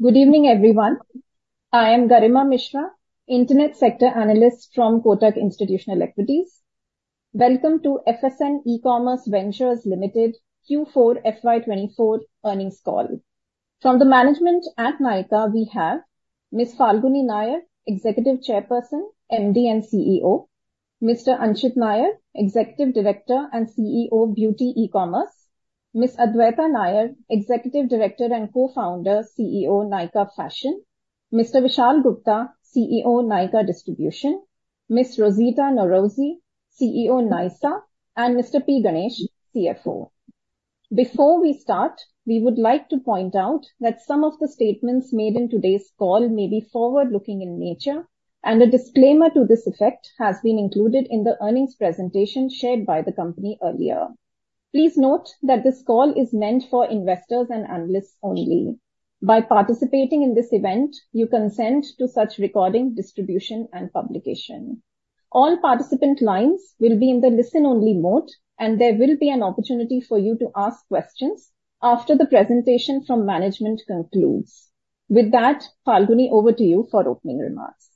Good evening, everyone. I am Garima Mishra, Internet Sector Analyst from Kotak Institutional Equities. Welcome to FSN E-Commerce Ventures Limited Q4 FY24 earnings call. From the management at Nykaa, we have Miss Falguni Nayar, Executive Chairperson, MD and CEO, Mr. Anchit Nayar, Executive Director and CEO, Beauty eCommerce, Miss Adwaita Nayar, Executive Director and Co-founder, CEO, Nykaa Fashion, Mr. Vishal Gupta, CEO, Nykaa Distribution, Miss Rozita Norouzi, CEO, Nysaa, and Mr. P. Ganesh, CFO. Before we start, we would like to point out that some of the statements made in today's call may be forward-looking in nature, and a disclaimer to this effect has been included in the earnings presentation shared by the company earlier. Please note that this call is meant for investors and analysts only. By participating in this event, you consent to such recording, distribution, and publication. All participant lines will be in the listen-only mode, and there will be an opportunity for you to ask questions after the presentation from management concludes. With that, Falguni, over to you for opening remarks.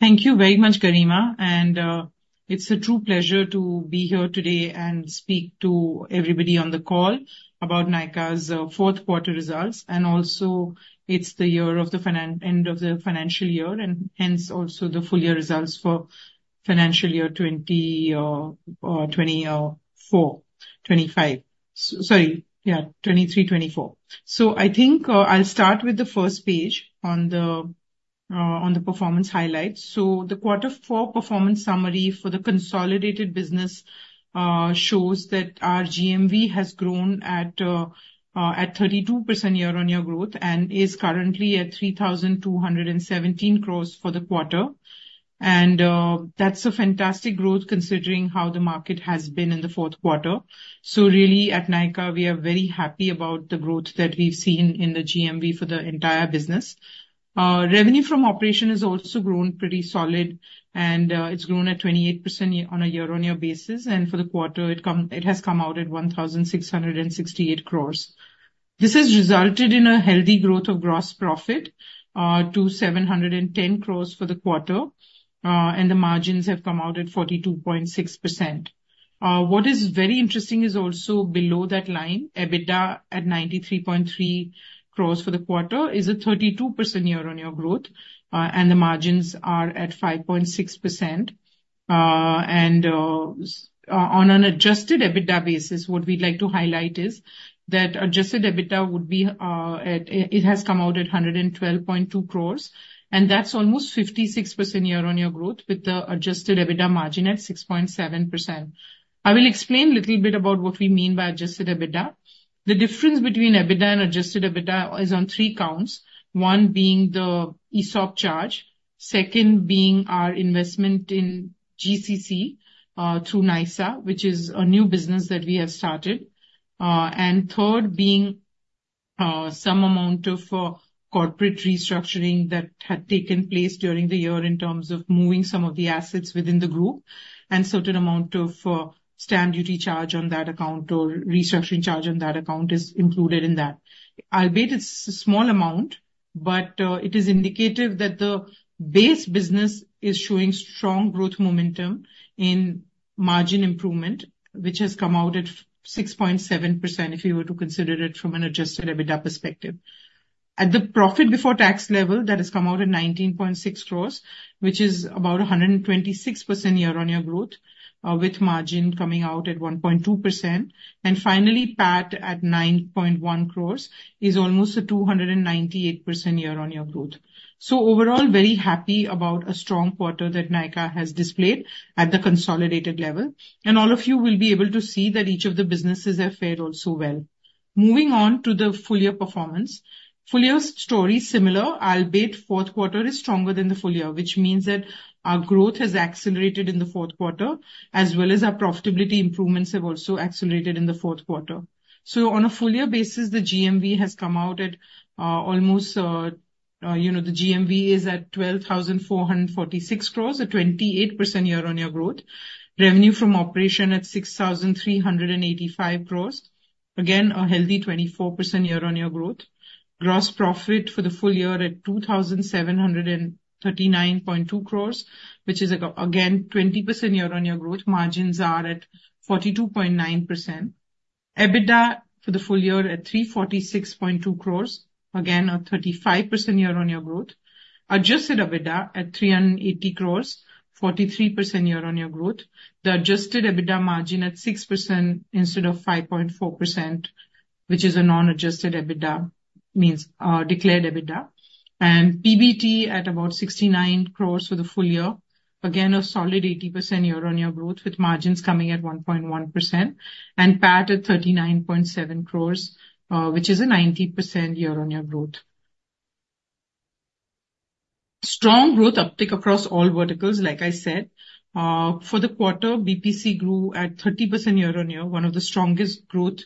Thank you very much, Garima, and it's a true pleasure to be here today and speak to everybody on the call about Nykaa's fourth quarter results, and also it's the end of the financial year, and hence, also the full year results for financial year 2024-25. Sorry, yeah, 2023-24. So I think I'll start with the first page on the performance highlights. So the Q4 performance summary for the consolidated business shows that our GMV has grown at 32% year-on-year growth and is currently at 3,217 crores for the quarter. And that's a fantastic growth, considering how the market has been in the fourth quarter. So really, at Nykaa, we are very happy about the growth that we've seen in the GMV for the entire business. Revenue from operation has also grown pretty solid, and it's grown at 28% year-on-year basis, and for the quarter, it has come out at 1,668 crore. This has resulted in a healthy growth of gross profit to 710 crore for the quarter, and the margins have come out at 42.6%. What is very interesting is also below that line, EBITDA at 93.3 crore for the quarter is a 32% year-on-year growth, and the margins are at 5.6%. On an adjusted EBITDA basis, what we'd like to highlight is that adjusted EBITDA has come out at 112.2 crore, and that's almost 56% year-on-year growth, with the adjusted EBITDA margin at 6.7%. I will explain a little bit about what we mean by adjusted EBITDA. The difference between EBITDA and adjusted EBITDA is on three counts, one being the ESOP charge, second being our investment in GCC through Nysaa, which is a new business that we have started, and third being some amount of corporate restructuring that had taken place during the year in terms of moving some of the assets within the group, and certain amount of stamp duty charge on that account or restructuring charge on that account is included in that. I bet it's a small amount, but it is indicative that the base business is showing strong growth momentum in margin improvement, which has come out at 6.7%, if you were to consider it from an adjusted EBITDA perspective. At the profit before tax level, that has come out at 19.6 crores, which is about a 126% year-on-year growth, with margin coming out at 1.2%. And finally, PAT at 9.1 crores is almost a 298% year-on-year growth. So overall, very happy about a strong quarter that Nykaa has displayed at the consolidated level, and all of you will be able to see that each of the businesses have fared also well. Moving on to the full year performance. Full year story similar, albeit fourth quarter is stronger than the full year, which means that our growth has accelerated in the fourth quarter, as well as our profitability improvements have also accelerated in the fourth quarter. So on a full year basis, the GMV has come out at, almost, you know, the GMV is at 12,446 crores, a 28% year-on-year growth. Revenue from operation at 6,385 crores, again, a healthy 24% year-on-year growth. Gross profit for the full year at 2,739.2 crores, which is again, 20% year-on-year growth. Margins are at 42.9%. EBITDA for the full year at 346.2 crores, again, a 35% year-on-year growth. Adjusted EBITDA at 380 crores, 43% year-on-year growth. The adjusted EBITDA margin at 6% instead of 5.4%, which is a non-adjusted EBITDA, means, declared EBITDA. PBT at about 69 crore for the full year, again, a solid 80% year-on-year growth, with margins coming at 1.1%, and PAT at 39.7 crore, which is a 90% year-on-year growth. Strong growth uptick across all verticals, like I said. For the quarter, BPC grew at 30% year-on-year, one of the strongest growth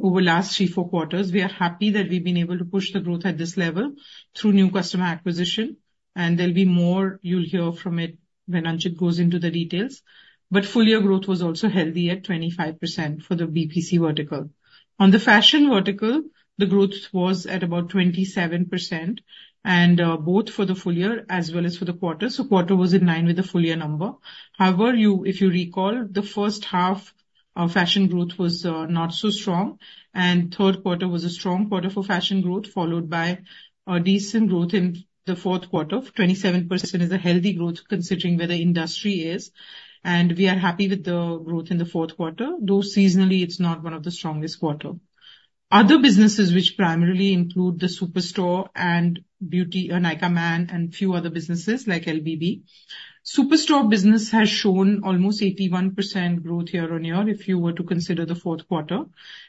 over last 3-4 quarters. We are happy that we've been able to push the growth at this level through new customer acquisition.... There'll be more you'll hear from it when Anchit goes into the details. But full year growth was also healthy at 25% for the BPC vertical. On the fashion vertical, the growth was at about 27%, and both for the full year as well as for the quarter. So quarter was in line with the full year number. However, if you recall, the first half of fashion growth was not so strong, and third quarter was a strong quarter for fashion growth, followed by a decent growth in the fourth quarter. 27% is a healthy growth, considering where the industry is, and we are happy with the growth in the fourth quarter, though seasonally, it's not one of the strongest quarter. Other businesses, which primarily include the Superstore and beauty, Nykaa Man and few other businesses, like LBB. Superstore business has shown almost 81% growth year-on-year, if you were to consider the fourth quarter,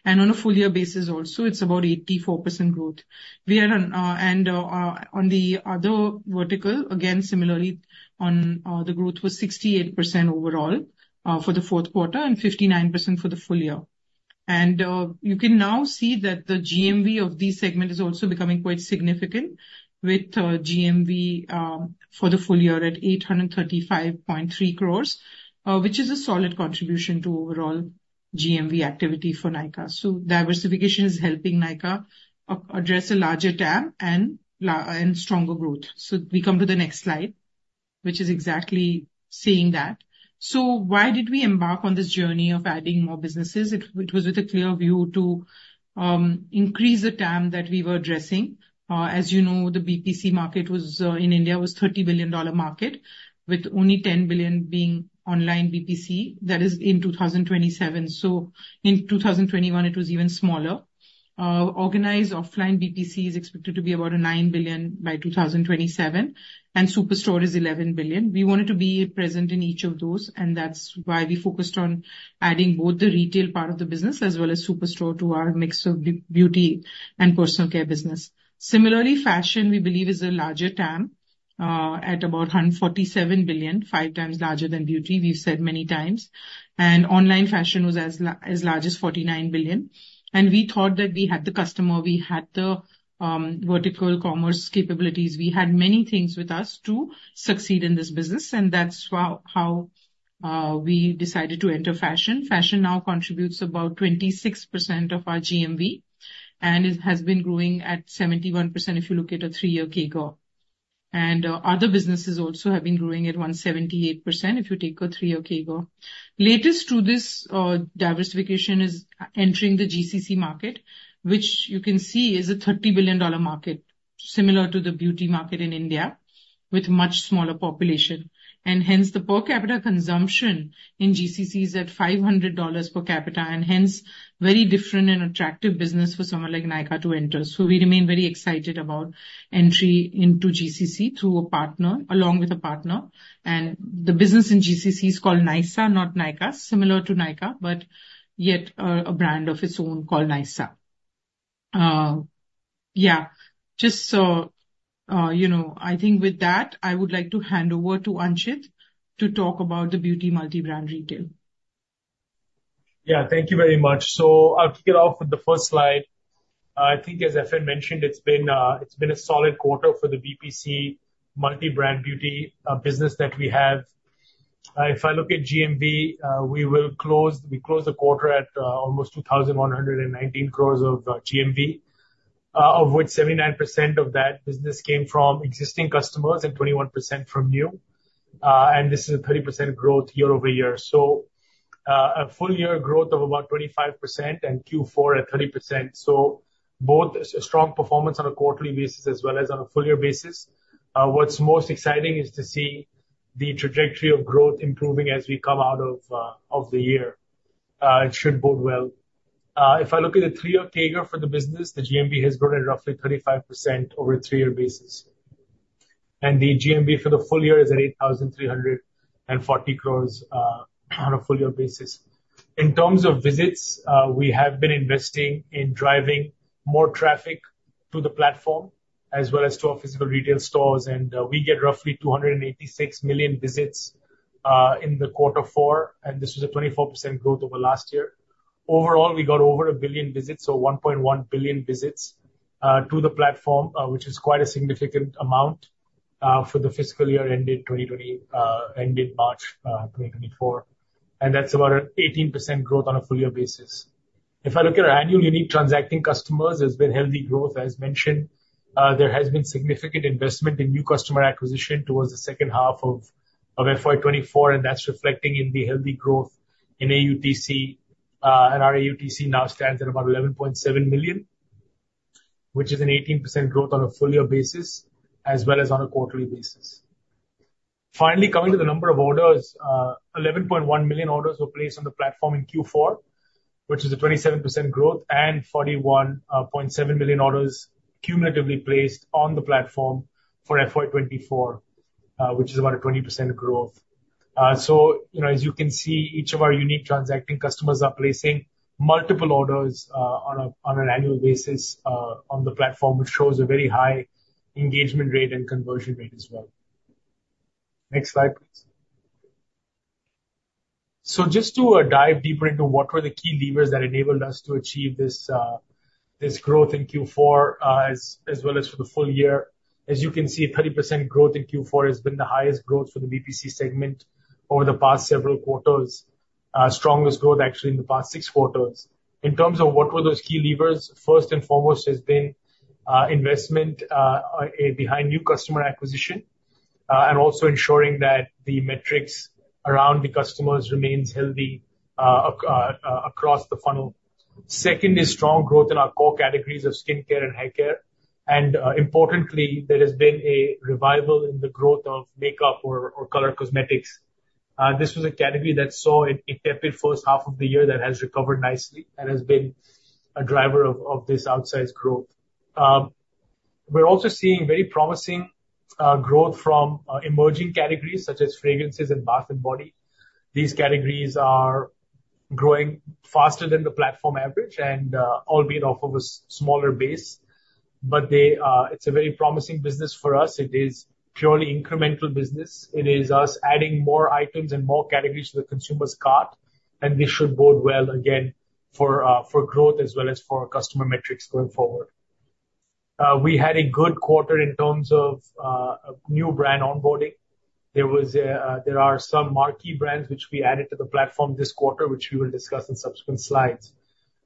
and on a full year basis also, it's about 84% growth. We are on the other vertical, again, similarly on the growth was 68% overall for the fourth quarter and 59% for the full year. And you can now see that the GMV of this segment is also becoming quite significant, with GMV for the full year at 835.3 crores, which is a solid contribution to overall GMV activity for Nykaa. So diversification is helping Nykaa address a larger TAM and stronger growth. So we come to the next slide, which is exactly saying that. So why did we embark on this journey of adding more businesses? It was with a clear view to increase the TAM that we were addressing. As you know, the BPC market in India was a $30 billion market, with only $10 billion being online BPC. That is in 2027. So in 2021, it was even smaller. Organized offline BPC is expected to be about $9 billion by 2027, and Superstore is $11 billion. We wanted to be present in each of those, and that's why we focused on adding both the retail part of the business as well as Superstore to our mix of beauty and personal care business. Similarly, fashion, we believe, is a larger TAM, at about $147 billion, five times larger than beauty, we've said many times. And online fashion was as large as $49 billion. And we thought that we had the customer, we had the vertical commerce capabilities. We had many things with us to succeed in this business, and that's how we decided to enter fashion. Fashion now contributes about 26% of our GMV, and it has been growing at 71%, if you look at a three-year CAGR. Other businesses also have been growing at 178%, if you take a three-year CAGR. Latest to this diversification is entering the GCC market, which you can see is a $30 billion market, similar to the beauty market in India, with much smaller population. Hence, the per capita consumption in GCC is at $500 per capita, and hence, very different and attractive business for someone like Nykaa to enter. So we remain very excited about entry into GCC through a partner along with a partner. The business in GCC is called Nysaa, not Nykaa. Similar to Nykaa, but yet, a brand of its own called Nysaa. Yeah, just so, you know... I think with that, I would like to hand over to Anchit to talk about the beauty multi-brand retail. Yeah, thank you very much. So I'll kick it off with the first slide. I think, as FN mentioned, it's been a solid quarter for the BPC multi-brand beauty business that we have. If I look at GMV, we closed the quarter at almost 2,119 crores of GMV, of which 79% of that business came from existing customers and 21% from new, and this is a 30% growth year-over-year. So, a full year growth of about 25% and Q4 at 30%, so both a strong performance on a quarterly basis as well as on a full year basis. What's most exciting is to see the trajectory of growth improving as we come out of the year. It should bode well. If I look at the three-year CAGR for the business, the GMV has grown at roughly 35% over a three-year basis, and the GMV for the full year is at 8,340 crores on a full year basis. In terms of visits, we have been investing in driving more traffic to the platform as well as to our physical retail stores, and we get roughly 286 million visits in quarter four, and this is a 24% growth over last year. Overall, we got over a billion visits, so 1.1 billion visits to the platform, which is quite a significant amount for the fiscal year ended March 2024. That's about an 18% growth on a full year basis. If I look at our annual unique transacting customers, there's been healthy growth as mentioned. There has been significant investment in new customer acquisition towards the second half of FY 2024, and that's reflecting in the healthy growth in AUTC. And our AUTC now stands at about 11.7 million, which is an 18% growth on a full year basis, as well as on a quarterly basis. Finally, coming to the number of orders, 11.1 million orders were placed on the platform in Q4, which is a 27% growth, and 41.7 million orders cumulatively placed on the platform for FY 2024, which is about a 20% growth. So, you know, as you can see, each of our unique transacting customers are placing multiple orders on an annual basis on the platform, which shows a very high engagement rate and conversion rate as well. Next slide, please. So just to dive deeper into what were the key levers that enabled us to achieve this growth in Q4, as well as for the full year. As you can see, 30% growth in Q4 has been the highest growth for the BPC segment over the past several quarters. Strongest growth, actually, in the past six quarters. In terms of what were those key levers, first and foremost has been investment behind new customer acquisition, and also ensuring that the metrics around the customers remains healthy across the funnel. Second is strong growth in our core categories of skincare and haircare, and, importantly, there has been a revival in the growth of makeup or color cosmetics. This was a category that saw a tepid first half of the year that has recovered nicely and has been a driver of this outsized growth. We're also seeing very promising growth from emerging categories such as fragrances and bath and body. These categories are growing faster than the platform average and, albeit off of a smaller base, but they... It's a very promising business for us. It is purely incremental business. It is us adding more items and more categories to the consumer's cart, and this should bode well again for growth as well as for customer metrics going forward. We had a good quarter in terms of new brand onboarding. There are some marquee brands which we added to the platform this quarter, which we will discuss in subsequent slides.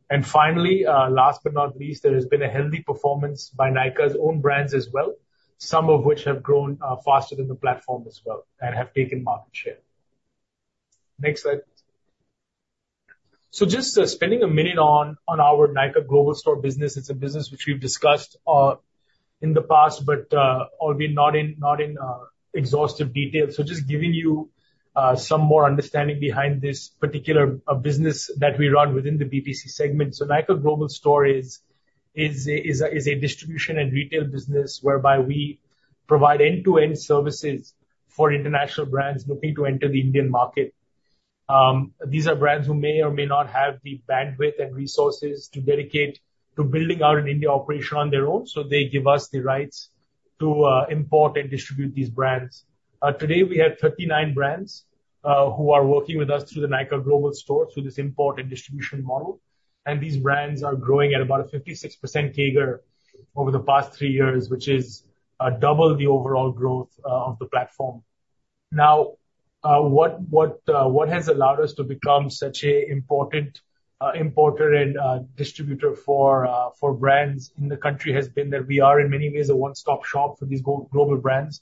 And finally, last but not least, there has been a healthy performance by Nykaa's own brands as well, some of which have grown faster than the platform as well and have taken market share. Next slide. So just spending a minute on our Nykaa Global Store business. It's a business which we've discussed in the past, but, albeit not in exhaustive detail. So just giving you some more understanding behind this particular business that we run within the BPC segment. So Nykaa Global Store is a distribution and retail business whereby we provide end-to-end services for international brands looking to enter the Indian market. These are brands who may or may not have the bandwidth and resources to dedicate to building out an India operation on their own, so they give us the rights to import and distribute these brands. Today, we have 39 brands who are working with us through the Nykaa Global Store, through this import and distribution model, and these brands are growing at about a 56% CAGR over the past 3 years, which is double the overall growth of the platform. Now, what has allowed us to become such a important importer and distributor for brands in the country has been that we are, in many ways, a one-stop shop for these global brands.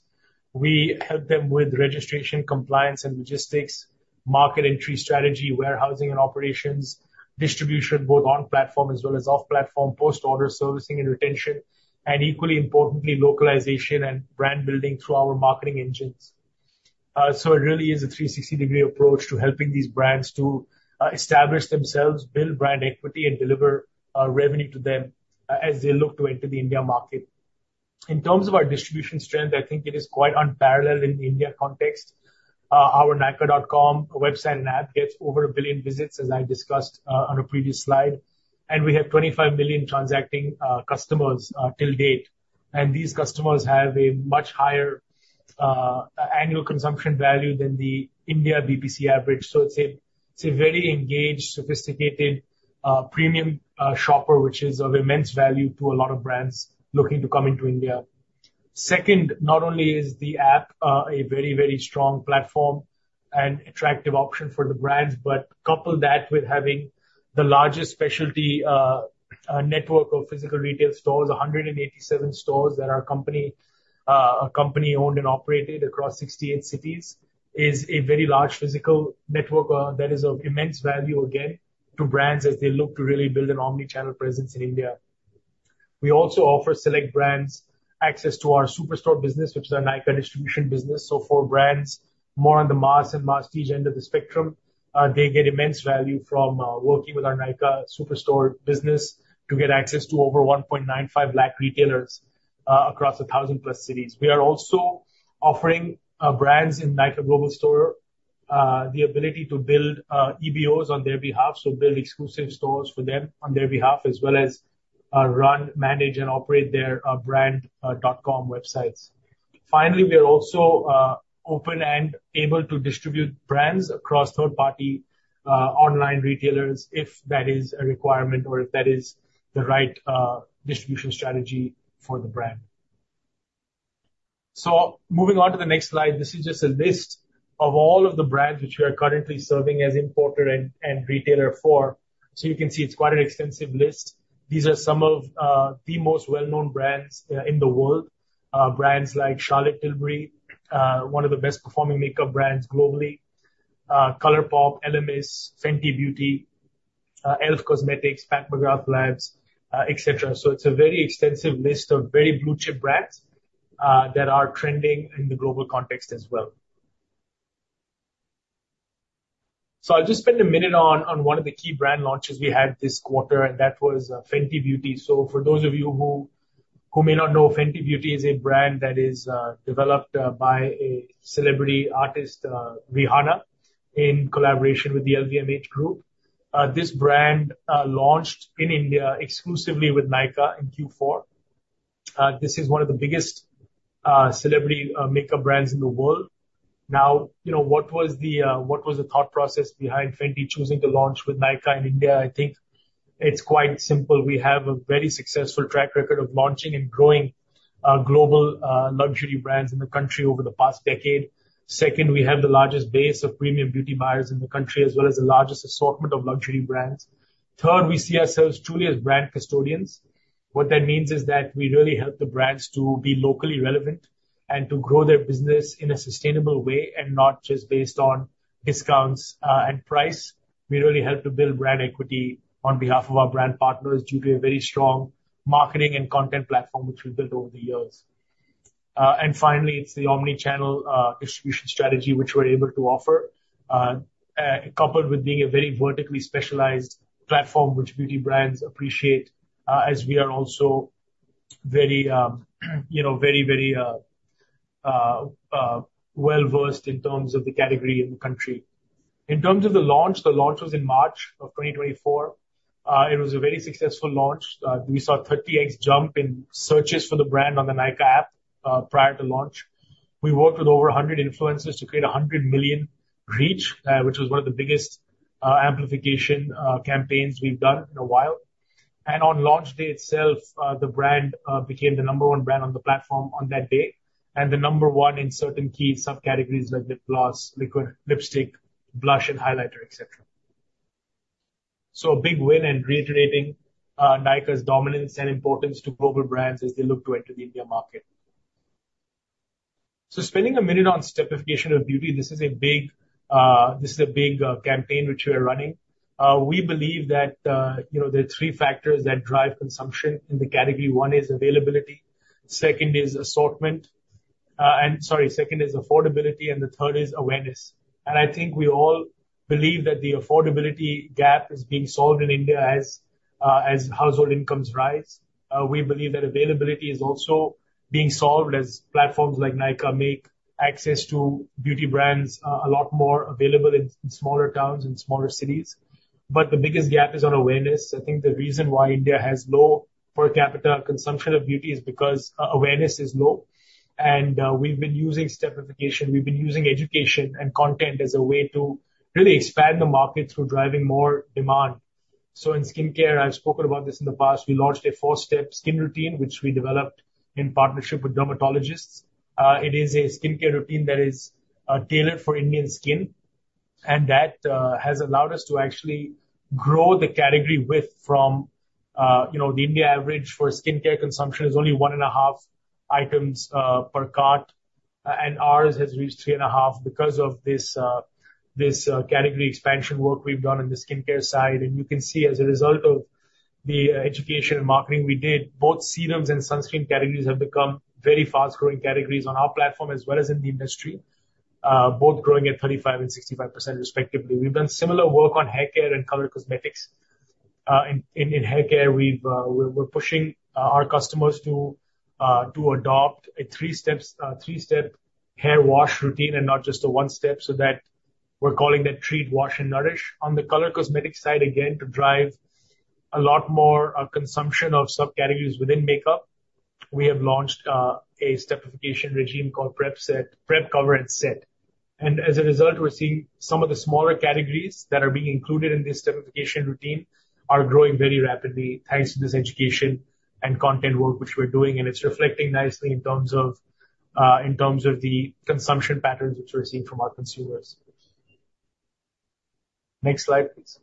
We help them with registration, compliance, and logistics, market entry strategy, warehousing and operations, distribution, both on platform as well as off platform, post-order servicing and retention, and equally importantly, localization and brand building through our marketing engines. So it really is a 360-degree approach to helping these brands to establish themselves, build brand equity, and deliver revenue to them as they look to enter the India market. In terms of our distribution strength, I think it is quite unparalleled in India context. Our nykaa.com website and app gets over 1 billion visits, as I discussed, on a previous slide, and we have 25 million transacting customers till date. And these customers have a much higher annual consumption value than the India BPC average. So it's a, it's a very engaged, sophisticated, premium shopper, which is of immense value to a lot of brands looking to come into India. Second, not only is the app a very, very strong platform and attractive option for the brands, but couple that with having the largest specialty network of physical retail stores, 187 stores that our company owned and operated across 68 cities, is a very large physical network that is of immense value, again, to brands as they look to really build an omni-channel presence in India. We also offer select brands access to our Superstore business, which is our Nykaa distribution business. So for brands more on the mass and prestige end of the spectrum, they get immense value from working with our Nykaa Superstore business to get access to over 1.95 lakh retailers across 1,000+ cities. We are also offering brands in Nykaa Global Store the ability to build EBOs on their behalf, so build exclusive stores for them on their behalf, as well as run, manage, and operate their brand dot-com websites. Finally, we are also open and able to distribute brands across third-party online retailers, if that is a requirement or if that is the right distribution strategy for the brand. So moving on to the next slide. This is just a list of all of the brands which we are currently serving as importer and, and retailer for. So you can see it's quite an extensive list. These are some of the most well-known brands in the world. Brands like Charlotte Tilbury, one of the best performing makeup brands globally, ColourPop, Elemis, Fenty Beauty, e.l.f. Cosmetics, Pat McGrath Labs, et cetera. So it's a very extensive list of very blue-chip brands that are trending in the global context as well. So I'll just spend a minute on one of the key brand launches we had this quarter, and that was Fenty Beauty. So for those of you who may not know, Fenty Beauty is a brand that is developed by a celebrity artist, Rihanna, in collaboration with the LVMH group. This brand launched in India exclusively with Nykaa in Q4. This is one of the biggest celebrity makeup brands in the world. Now, you know, what was the thought process behind Fenty choosing to launch with Nykaa in India? I think it's quite simple. We have a very successful track record of launching and growing global luxury brands in the country over the past decade. Second, we have the largest base of premium beauty buyers in the country, as well as the largest assortment of luxury brands. Third, we see ourselves truly as brand custodians. What that means is that we really help the brands to be locally relevant and to grow their business in a sustainable way, and not just based on discounts and price. We really help to build brand equity on behalf of our brand partners due to a very strong marketing and content platform which we've built over the years. And finally, it's the omni-channel distribution strategy which we're able to offer. Coupled with being a very vertically specialized platform, which beauty brands appreciate, as we are also very, you know, very, very well-versed in terms of the category in the country. In terms of the launch, the launch was in March of 2024. It was a very successful launch. We saw 38 jump in searches for the brand on the Nykaa app, prior to launch. We worked with over 100 influencers to create 100 million reach, which was one of the biggest amplification campaigns we've done in a while. On launch day itself, the brand became the number one brand on the platform on that day, and the number one in certain key subcategories like lip gloss, liquid lipstick, blush and highlighter, et cetera. So a big win and reiterating Nykaa's dominance and importance to global brands as they look to enter the India market. So spending a minute on stepification of beauty, this is a big campaign which we are running. We believe that, you know, there are three factors that drive consumption in the category. One is availability, second is assortment. And sorry, second is affordability, and the third is awareness. And I think we all believe that the affordability gap is being solved in India as household incomes rise. We believe that availability is also being solved as platforms like Nykaa make access to beauty brands a lot more available in smaller towns and smaller cities. But the biggest gap is on awareness. I think the reason why India has low per capita consumption of beauty is because awareness is low. We've been using stepification, we've been using education and content as a way to really expand the market through driving more demand. So in skincare, I've spoken about this in the past, we launched a four-step skin routine, which we developed in partnership with dermatologists. It is a skincare routine that is tailored for Indian skin, and that has allowed us to actually grow the category with from... You know, the India average for skincare consumption is only 1.5 items per cart, and ours has reached 3.5 because of this category expansion work we've done on the skincare side. And you can see as a result of the education and marketing we did, both serums and sunscreen categories have become very fast-growing categories on our platform, as well as in the industry. Both growing at 35% and 65% respectively. We've done similar work on haircare and color cosmetics. In haircare, we're pushing our customers to adopt a three-step hair wash routine and not just a one-step, so that we're calling that Treat, Wash, and Nourish. On the color cosmetic side, again, to drive a lot more consumption of subcategories within makeup, we have launched a stepification regime called Prep, Cover, and Set. And as a result, we're seeing some of the smaller categories that are being included in this stepification routine are growing very rapidly, thanks to this education and content work which we're doing, and it's reflecting nicely in terms of the consumption patterns which we're seeing from our consumers. Next slide, please.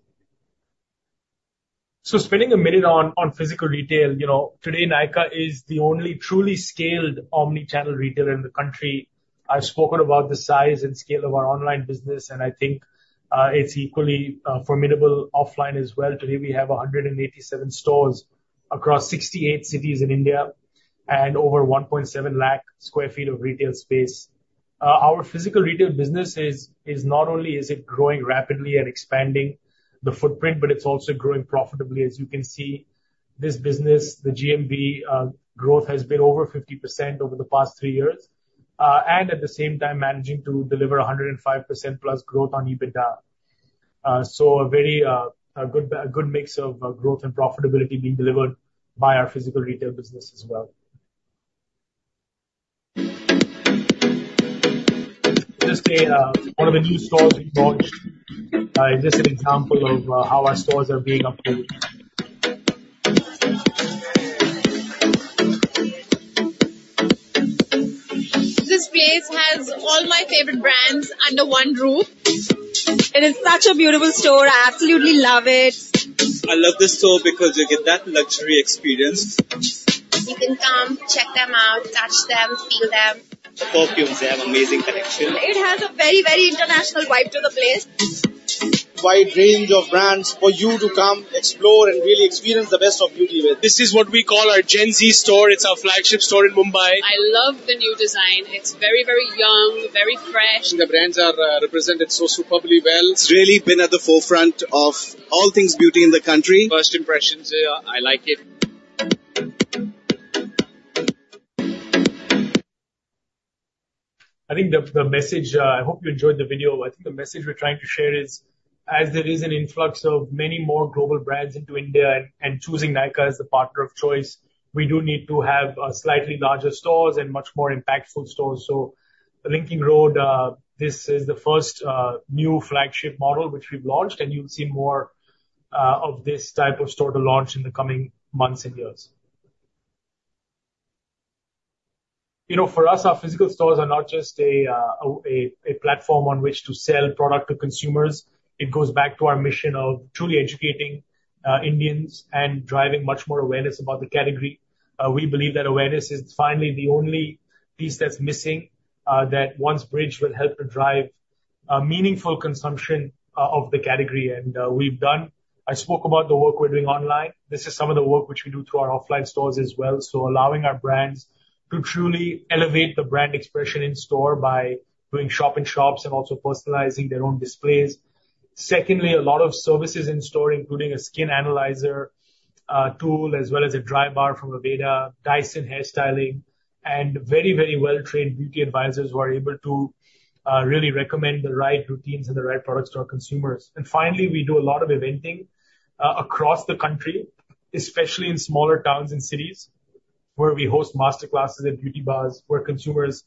So spending a minute on physical retail. You know, today, Nykaa is the only truly scaled omni-channel retailer in the country. I've spoken about the size and scale of our online business, and I think it's equally formidable offline as well. Today, we have 187 stores across 68 cities in India and over 1.7 lakh sq ft of retail space. Our physical retail business is not only growing rapidly and expanding the footprint, but it's also growing profitably. As you can see, this business, the GMV growth, has been over 50% over the past 3 years. And at the same time managing to deliver 105%+ growth on EBITDA. So a very good mix of growth and profitability being delivered by our physical retail business as well. Just one of the new stores we launched. Just an example of how our stores are being upgraded. This place has all my favorite brands under one roof. It is such a beautiful store. I absolutely love it. I love this store because you get that luxury experience. You can come, check them out, touch them, feel them. The perfumes, they have amazing collection. It has a very, very international vibe to the place. Wide range of brands for you to come, explore, and really experience the best of beauty with. This is what we call our Gen Z store. It's our flagship store in Mumbai. I love the new design. It's very, very young, very fresh. The brands are represented so superbly well. It's really been at the forefront of all things beauty in the country. First impressions here, I like it. I think the message, I hope you enjoyed the video. I think the message we're trying to share is, as there is an influx of many more global brands into India and choosing Nykaa as the partner of choice, we do need to have slightly larger stores and much more impactful stores. So Linking Road, this is the first new flagship model which we've launched, and you'll see more of this type of store to launch in the coming months and years. You know, for us, our physical stores are not just a platform on which to sell product to consumers. It goes back to our mission of truly educating Indians and driving much more awareness about the category. We believe that awareness is finally the only piece that's missing, that once bridged, will help to drive a meaningful consumption of the category. And, we've done. I spoke about the work we're doing online. This is some of the work which we do to our offline stores as well. So allowing our brands to truly elevate the brand expression in store by doing shop in shops and also personalizing their own displays. Secondly, a lot of services in store, including a skin analyzer tool, as well as a dry bar from Aveda, Dyson hairstyling, and very, very well-trained beauty advisors who are able to really recommend the right routines and the right products to our consumers. And finally, we do a lot of eventing across the country, especially in smaller towns and cities, where we host master classes at beauty bars, where consumers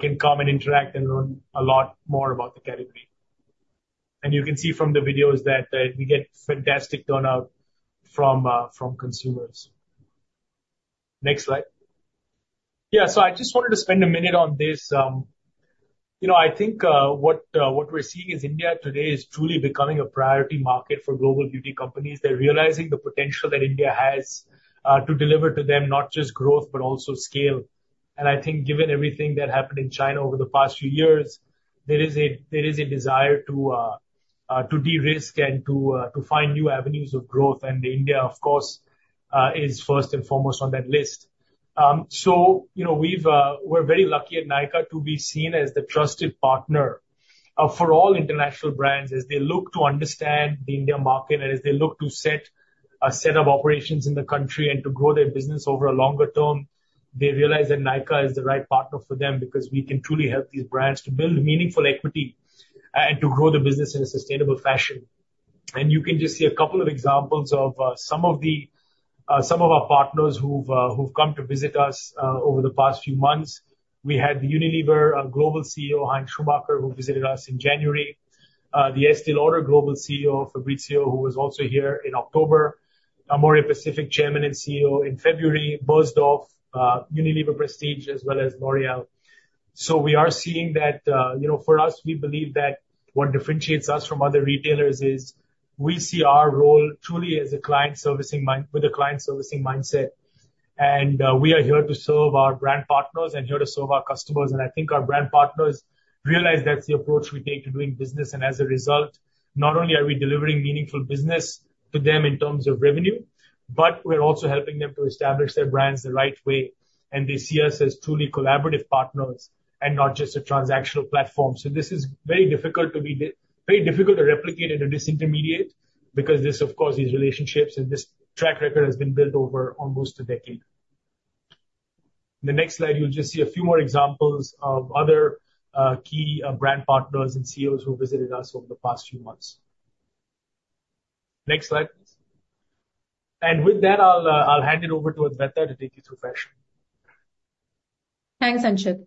can come and interact and learn a lot more about the category. And you can see from the videos that we get fantastic turnout from consumers. Next slide. Yeah. So I just wanted to spend a minute on this. You know, I think what we're seeing is India today is truly becoming a priority market for global beauty companies. They're realizing the potential that India has to deliver to them, not just growth, but also scale. And I think given everything that happened in China over the past few years, there is a desire to de-risk and to find new avenues of growth. India, of course, is first and foremost on that list. So you know, we've, we're very lucky at Nykaa to be seen as the trusted partner, for all international brands as they look to understand the India market and as they look to set a set of operations in the country and to grow their business over a longer term. They realize that Nykaa is the right partner for them because we can truly help these brands to build meaningful equity and to grow the business in a sustainable fashion. And you can just see a couple of examples of, some of the, some of our partners who've, who've come to visit us, over the past few months. We had the Unilever Global CEO, Hein Schumacher, who visited us in January. The Estée Lauder Global CEO, Fabrizio, who was also here in October. Amorepacific Chairman and CEO in February, Beiersdorf, Unilever Prestige, as well as L'Oréal. So we are seeing that, you know, for us, we believe that what differentiates us from other retailers is, we see our role truly as a client servicing mindset. And we are here to serve our brand partners and here to serve our customers. And I think our brand partners realize that's the approach we take to doing business, and as a result, not only are we delivering meaningful business to them in terms of revenue, but we're also helping them to establish their brands the right way. And they see us as truly collaborative partners and not just a transactional platform. So this is very difficult to be... very difficult to replicate at a disintermediated scale, because this, of course, these relationships and this track record has been built over almost a decade. In the next slide, you'll just see a few more examples of other key brand partners and CEOs who visited us over the past few months. Next slide, please. And with that, I'll hand it over to Adwaita to take you through fashion. Thanks, Anchit.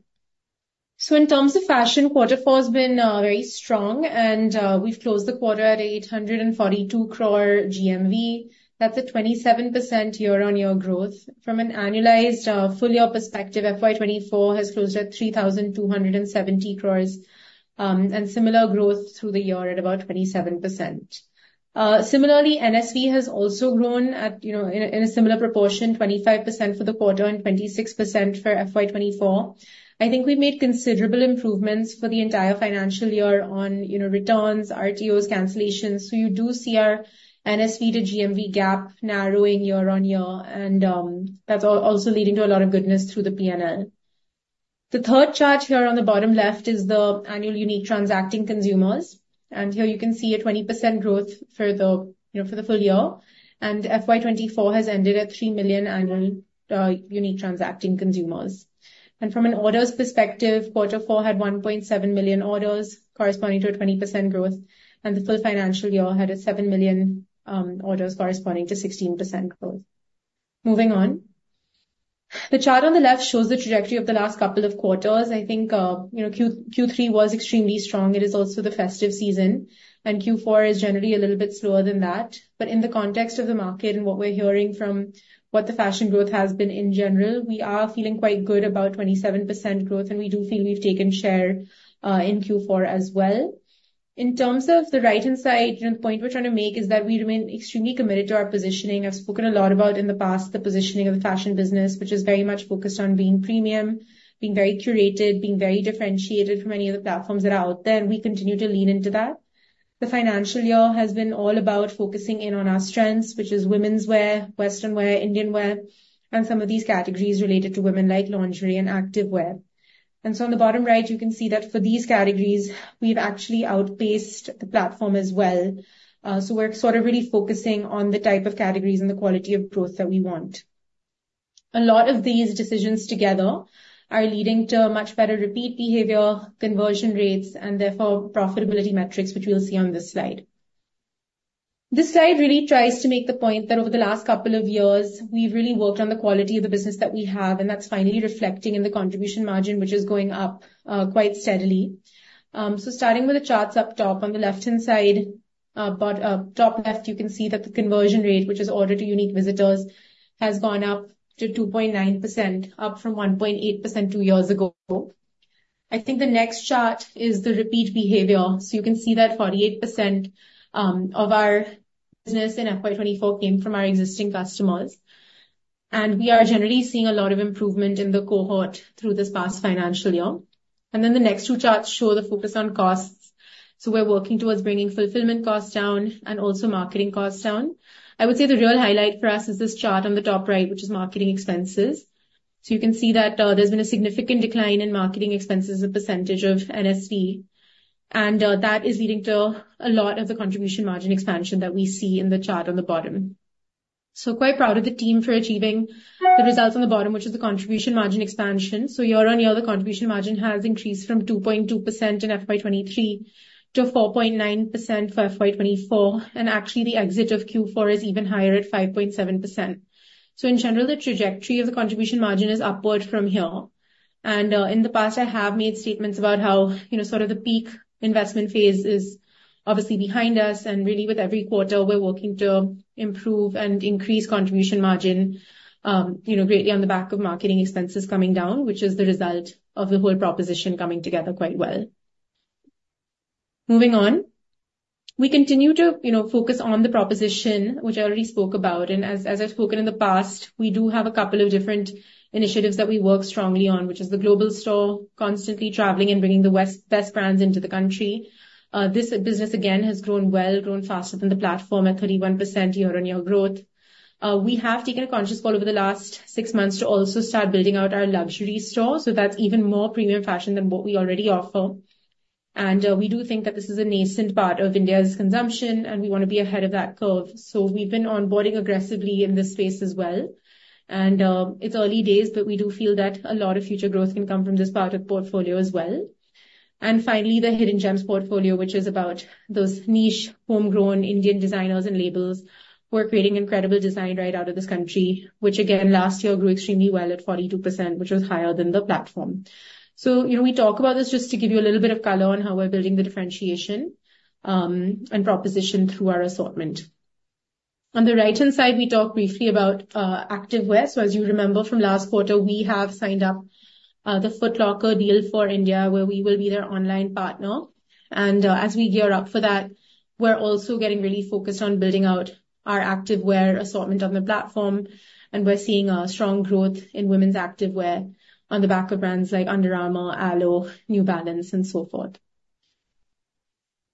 So in terms of fashion, quarter four has been very strong, and we've closed the quarter at 842 crore GMV. That's a 27% year-on-year growth. From an annualized full year perspective, FY 2024 has closed at 3,270 crore, and similar growth through the year at about 27%. Similarly, NSV has also grown at, you know, in a similar proportion, 25% for the quarter and 26% for FY 2024. I think we've made considerable improvements for the entire financial year on, you know, returns, RTOs, cancellations. So you do see our NSV to GMV gap narrowing year on year, and that's also leading to a lot of goodness through the PNL. The third chart here on the bottom left is the annual unique transacting consumers, and here you can see a 20% growth for the, you know, for the full year. FY 2024 has ended at 3 million annual unique transacting consumers. From an orders perspective, quarter four had 1.7 million orders, corresponding to a 20% growth, and the full financial year had 7 million orders corresponding to 16% growth. Moving on. The chart on the left shows the trajectory of the last couple of quarters. I think, you know, Q3 was extremely strong. It is also the festive season, and Q4 is generally a little bit slower than that. But in the context of the market and what we're hearing from what the fashion growth has been in general, we are feeling quite good about 27% growth, and we do feel we've taken share in Q4 as well. In terms of the right-hand side, the point we're trying to make is that we remain extremely committed to our positioning. I've spoken a lot about in the past, the positioning of the fashion business, which is very much focused on being premium, being very curated, being very differentiated from any other platforms that are out there, and we continue to lean into that. The financial year has been all about focusing in on our strengths, which is women's wear, western wear, Indian wear, and some of these categories related to women, like lingerie and active wear. On the bottom right, you can see that for these categories, we've actually outpaced the platform as well. So we're sort of really focusing on the type of categories and the quality of growth that we want. A lot of these decisions together are leading to a much better repeat behavior, conversion rates and therefore profitability metrics, which we'll see on this slide. This slide really tries to make the point that over the last couple of years, we've really worked on the quality of the business that we have, and that's finally reflecting in the contribution margin, which is going up quite steadily. So starting with the charts up top, on the left-hand side, top left, you can see that the conversion rate, which is order to unique visitors, has gone up to 2.9%, up from 1.8% two years ago. I think the next chart is the repeat behavior. So you can see that 48% of our business in FY 2024 came from our existing customers, and we are generally seeing a lot of improvement in the cohort through this past financial year. Then the next two charts show the focus on costs. So we're working towards bringing fulfillment costs down and also marketing costs down. I would say the real highlight for us is this chart on the top right, which is marketing expenses. So you can see that, there's been a significant decline in marketing expenses as a percentage of NSV, and, that is leading to a lot of the contribution margin expansion that we see in the chart on the bottom. So quite proud of the team for achieving the results on the bottom, which is the contribution margin expansion. So year-on-year, the contribution margin has increased from 2.2% in FY 2023 to 4.9% for FY 2024, and actually, the exit of Q4 is even higher at 5.7%. So in general, the trajectory of the contribution margin is upward from here. And, in the past, I have made statements about how, you know, sort of the peak investment phase is obviously behind us, and really, with every quarter, we're working to improve and increase contribution margin, you know, greatly on the back of marketing expenses coming down, which is the result of the whole proposition coming together quite well. Moving on, we continue to, you know, focus on the proposition, which I already spoke about, and as I've spoken in the past, we do have a couple of different initiatives that we work strongly on, which is the global store, constantly traveling and bringing the best brands into the country. This business again, has grown well, grown faster than the platform at 31% year-on-year growth. We have taken a conscious call over the last six months to also start building out our luxury store, so that's even more premium fashion than what we already offer. And we do think that this is a nascent part of India's consumption, and we wanna be ahead of that curve. So we've been onboarding aggressively in this space as well. And it's early days, but we do feel that a lot of future growth can come from this part of portfolio as well. And finally, the Hidden Gems portfolio, which is about those niche, homegrown Indian designers and labels who are creating incredible design right out of this country, which again, last year grew extremely well at 42%, which was higher than the platform. So, you know, we talk about this just to give you a little bit of color on how we're building the differentiation and proposition through our assortment. On the right-hand side, we talk briefly about activewear. So as you remember from last quarter, we have signed up the Foot Locker deal for India, where we will be their online partner. And as we gear up for that, we're also getting really focused on building out our activewear assortment on the platform, and we're seeing a strong growth in women's activewear on the back of brands like Under Armour, Alo, New Balance and so forth.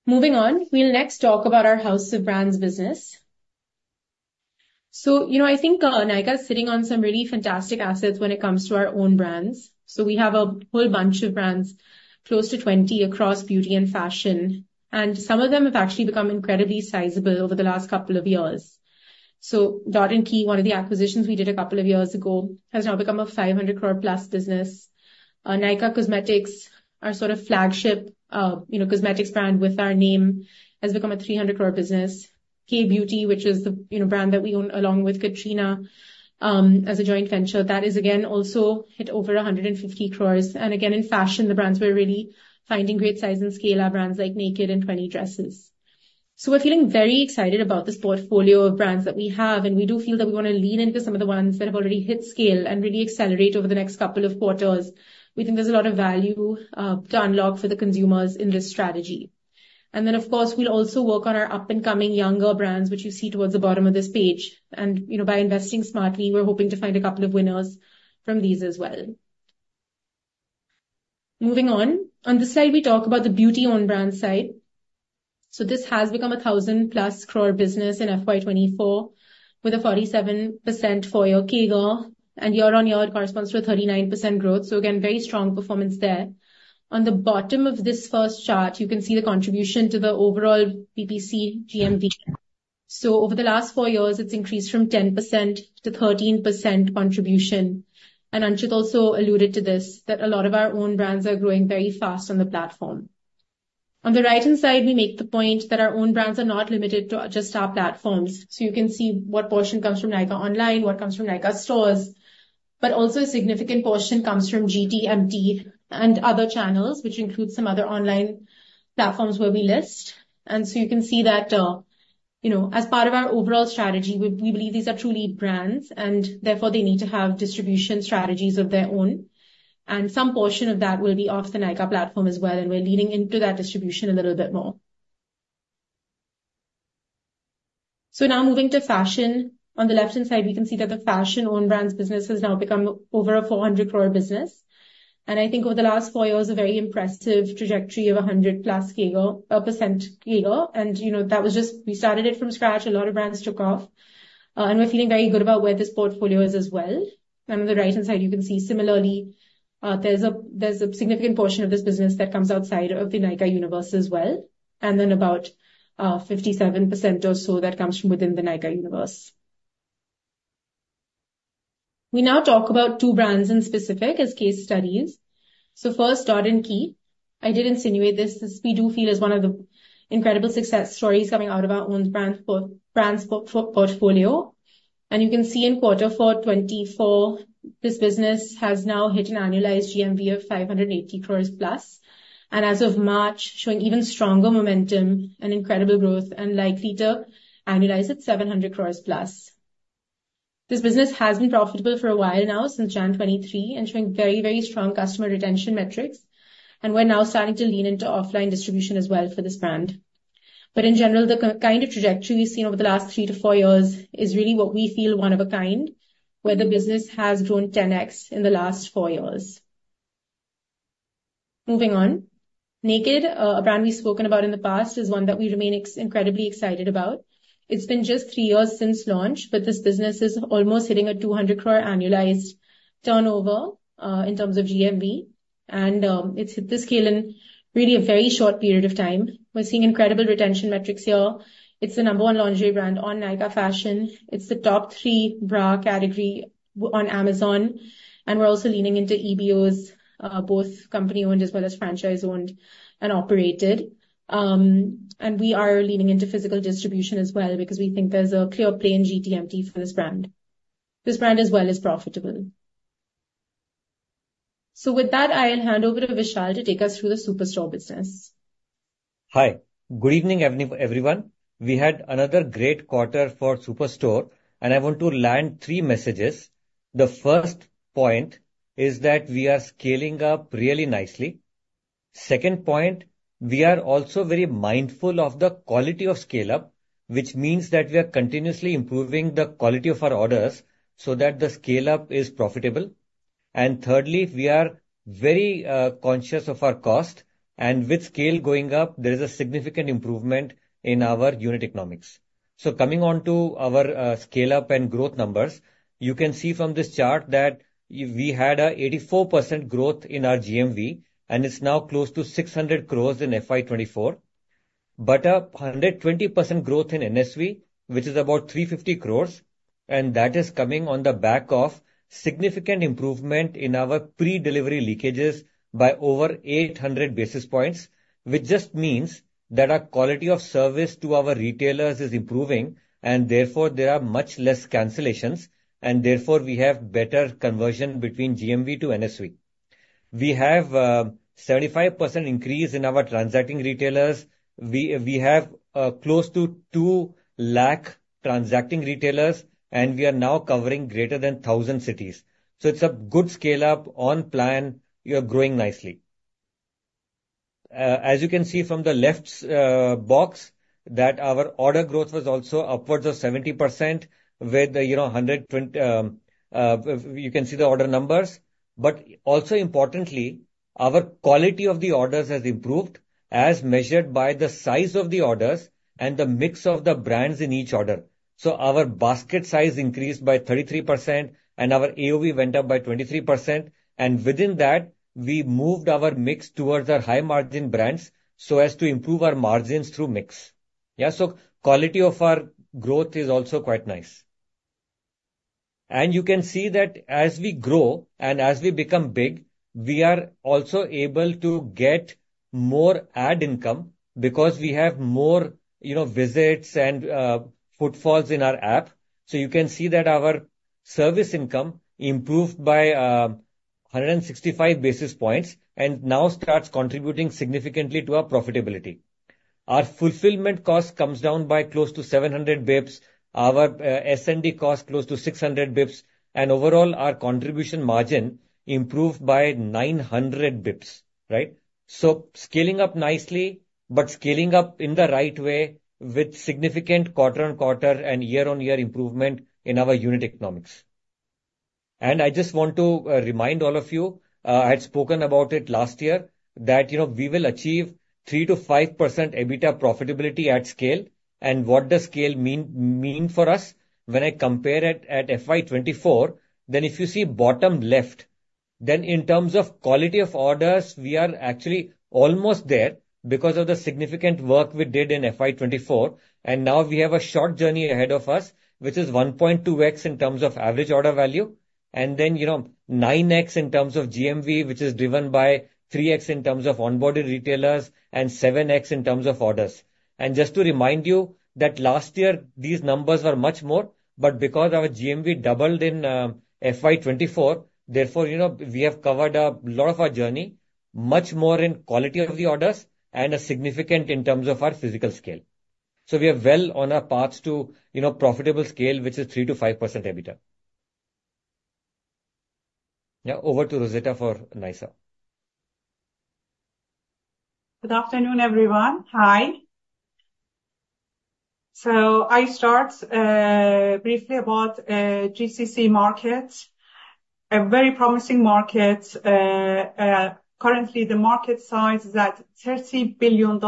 Moving on, we'll next talk about our House of Brands business. So, you know, I think Nykaa is sitting on some really fantastic assets when it comes to our own brands. So we have a whole bunch of brands, close to 20, across beauty and fashion, and some of them have actually become incredibly sizable over the last couple of years. So Dot & Key, one of the acquisitions we did a couple of years ago, has now become an 500 crore+ business. Nykaa Cosmetics, our sort of flagship, you know, cosmetics brand with our name, has become an 300 crore business. Kay Beauty, which is the, you know, brand that we own along with Katrina, as a joint venture, that is, again, also hit over 150 crore. And again, in fashion, the brands we're really finding great size and scale are brands like Nykd and Twenty Dresses. So we're feeling very excited about this portfolio of brands that we have, and we do feel that we wanna lean into some of the ones that have already hit scale and really accelerate over the next couple of quarters. We think there's a lot of value to unlock for the consumers in this strategy. And then, of course, we'll also work on our up-and-coming younger brands, which you see towards the bottom of this page. And, you know, by investing smartly, we're hoping to find a couple of winners from these as well. Moving on. On this slide, we talk about the beauty own brand side. So this has become an 1,000+ crore business in FY 2024, with a 47% FY24 CAGR, and year-on-year it corresponds to a 39% growth. So again, very strong performance there. On the bottom of this first chart, you can see the contribution to the overall PPC GMV. So over the last four years, it's increased from 10% to 13% contribution. And Anchit also alluded to this, that a lot of our own brands are growing very fast on the platform. On the right-hand side, we make the point that our own brands are not limited to just our platforms. So you can see what portion comes from Nykaa online, what comes from Nykaa stores, but also a significant portion comes from GT/MT and other channels, which includes some other online platforms where we list. So you can see that, you know, as part of our overall strategy, we, we believe these are truly brands, and therefore they need to have distribution strategies of their own, and some portion of that will be off the Nykaa platform as well, and we're leaning into that distribution a little bit more. So now moving to fashion. On the left-hand side, we can see that the fashion own brands business has now become over 400 crore business, and I think over the last 4 years, a very impressive trajectory of a 100+ percent CAGR. And, you know, that was just... We started it from scratch, a lot of brands took off, and we're feeling very good about where this portfolio is as well. And on the right-hand side, you can see similarly, there's a significant portion of this business that comes outside of the Nykaa universe as well, and then about 57% or so that comes from within the Nykaa universe. We now talk about two brands in specific as case studies. So first, Dot & Key. I did insinuate this; we do feel this is one of the incredible success stories coming out of our own brands portfolio. And you can see in quarter four 2024, this business has now hit an annualized GMV of 580 crores plus, and as of March, showing even stronger momentum and incredible growth, and likely to annualize at 700 crores plus. This business has been profitable for a while now, since January 2023, and showing very, very strong customer retention metrics, and we're now starting to lean into offline distribution as well for this brand. But in general, the kind of trajectory we've seen over the last 3-4 years is really what we feel one of a kind, where the business has grown 10x in the last 4 years. Moving on. Nykd, a brand we've spoken about in the past, is one that we remain incredibly excited about. It's been just 3 years since launch, but this business is almost hitting an 200 crore annualized turnover, in terms of GMV, and it's hit this scale in really a very short period of time. We're seeing incredible retention metrics here. It's the number one lingerie brand on Nykaa Fashion. It's the top three bra category on Amazon, and we're also leaning into EBOs, both company-owned as well as franchise-owned and operated. And we are leaning into physical distribution as well, because we think there's a clear play in GTMT for this brand. This brand as well is profitable. So with that, I'll hand over to Vishal to take us through the Superstore business. Hi. Good evening, everyone. We had another great quarter for Superstore, and I want to land three messages. The first point is that we are scaling up really nicely. Second point, we are also very mindful of the quality of scale-up, which means that we are continuously improving the quality of our orders so that the scale-up is profitable. And thirdly, we are very conscious of our cost, and with scale going up, there is a significant improvement in our unit economics. So coming on to our scale-up and growth numbers, you can see from this chart that we had an 84% growth in our GMV, and it's now close to 600 crore in FY 2024. But 120% growth in NSV, which is about 350 crore, and that is coming on the back of significant improvement in our pre-delivery leakages by over 800 basis points, which just means that our quality of service to our retailers is improving, and therefore there are much less cancellations, and therefore we have better conversion between GMV to NSV. We have 75% increase in our transacting retailers. We have close to 200,000 transacting retailers, and we are now covering greater than 1,000 cities. So it's a good scale-up on plan. We are growing nicely. As you can see from the left box, that our order growth was also upwards of 70% with, you know, you can see the order numbers. But also importantly, our quality of the orders has improved, as measured by the size of the orders and the mix of the brands in each order. So our basket size increased by 33%, and our AOV went up by 23%, and within that, we moved our mix towards our high-margin brands so as to improve our margins through mix. Yeah, so quality of our growth is also quite nice. And you can see that as we grow and as we become big, we are also able to get more ad income because we have more, you know, visits and footfalls in our app. So you can see that our service income improved by 165 basis points, and now starts contributing significantly to our profitability. Our fulfillment cost comes down by close to 700 basis points, our S&D cost, close to 600 basis points, and overall, our contribution margin improved by 900 basis points, right? So scaling up nicely, but scaling up in the right way with significant quarter-on-quarter and year-on-year improvement in our unit economics. And I just want to remind all of you, I had spoken about it last year, that, you know, we will achieve 3%-5% EBITDA profitability at scale. And what does scale mean for us? When I compare it at FY 2024, then if you see bottom left, then in terms of quality of orders, we are actually almost there because of the significant work we did in FY 2024, and now we have a short journey ahead of us, which is 1.2x in terms of average order value, and then, you know, 9x in terms of GMV, which is driven by 3x in terms of onboarded retailers and 7x in terms of orders. And just to remind you that last year, these numbers were much more, but because our GMV doubled in FY 2024, therefore, you know, we have covered up a lot of our journey, much more in quality of the orders and a significant in terms of our physical scale. We are well on our path to, you know, profitable scale, which is 3%-5% EBITDA. Now, over to Rozita for Nysaa. Good afternoon, everyone. Hi. I start briefly about GCC markets. A very promising market. Currently the market size is at $30 billion,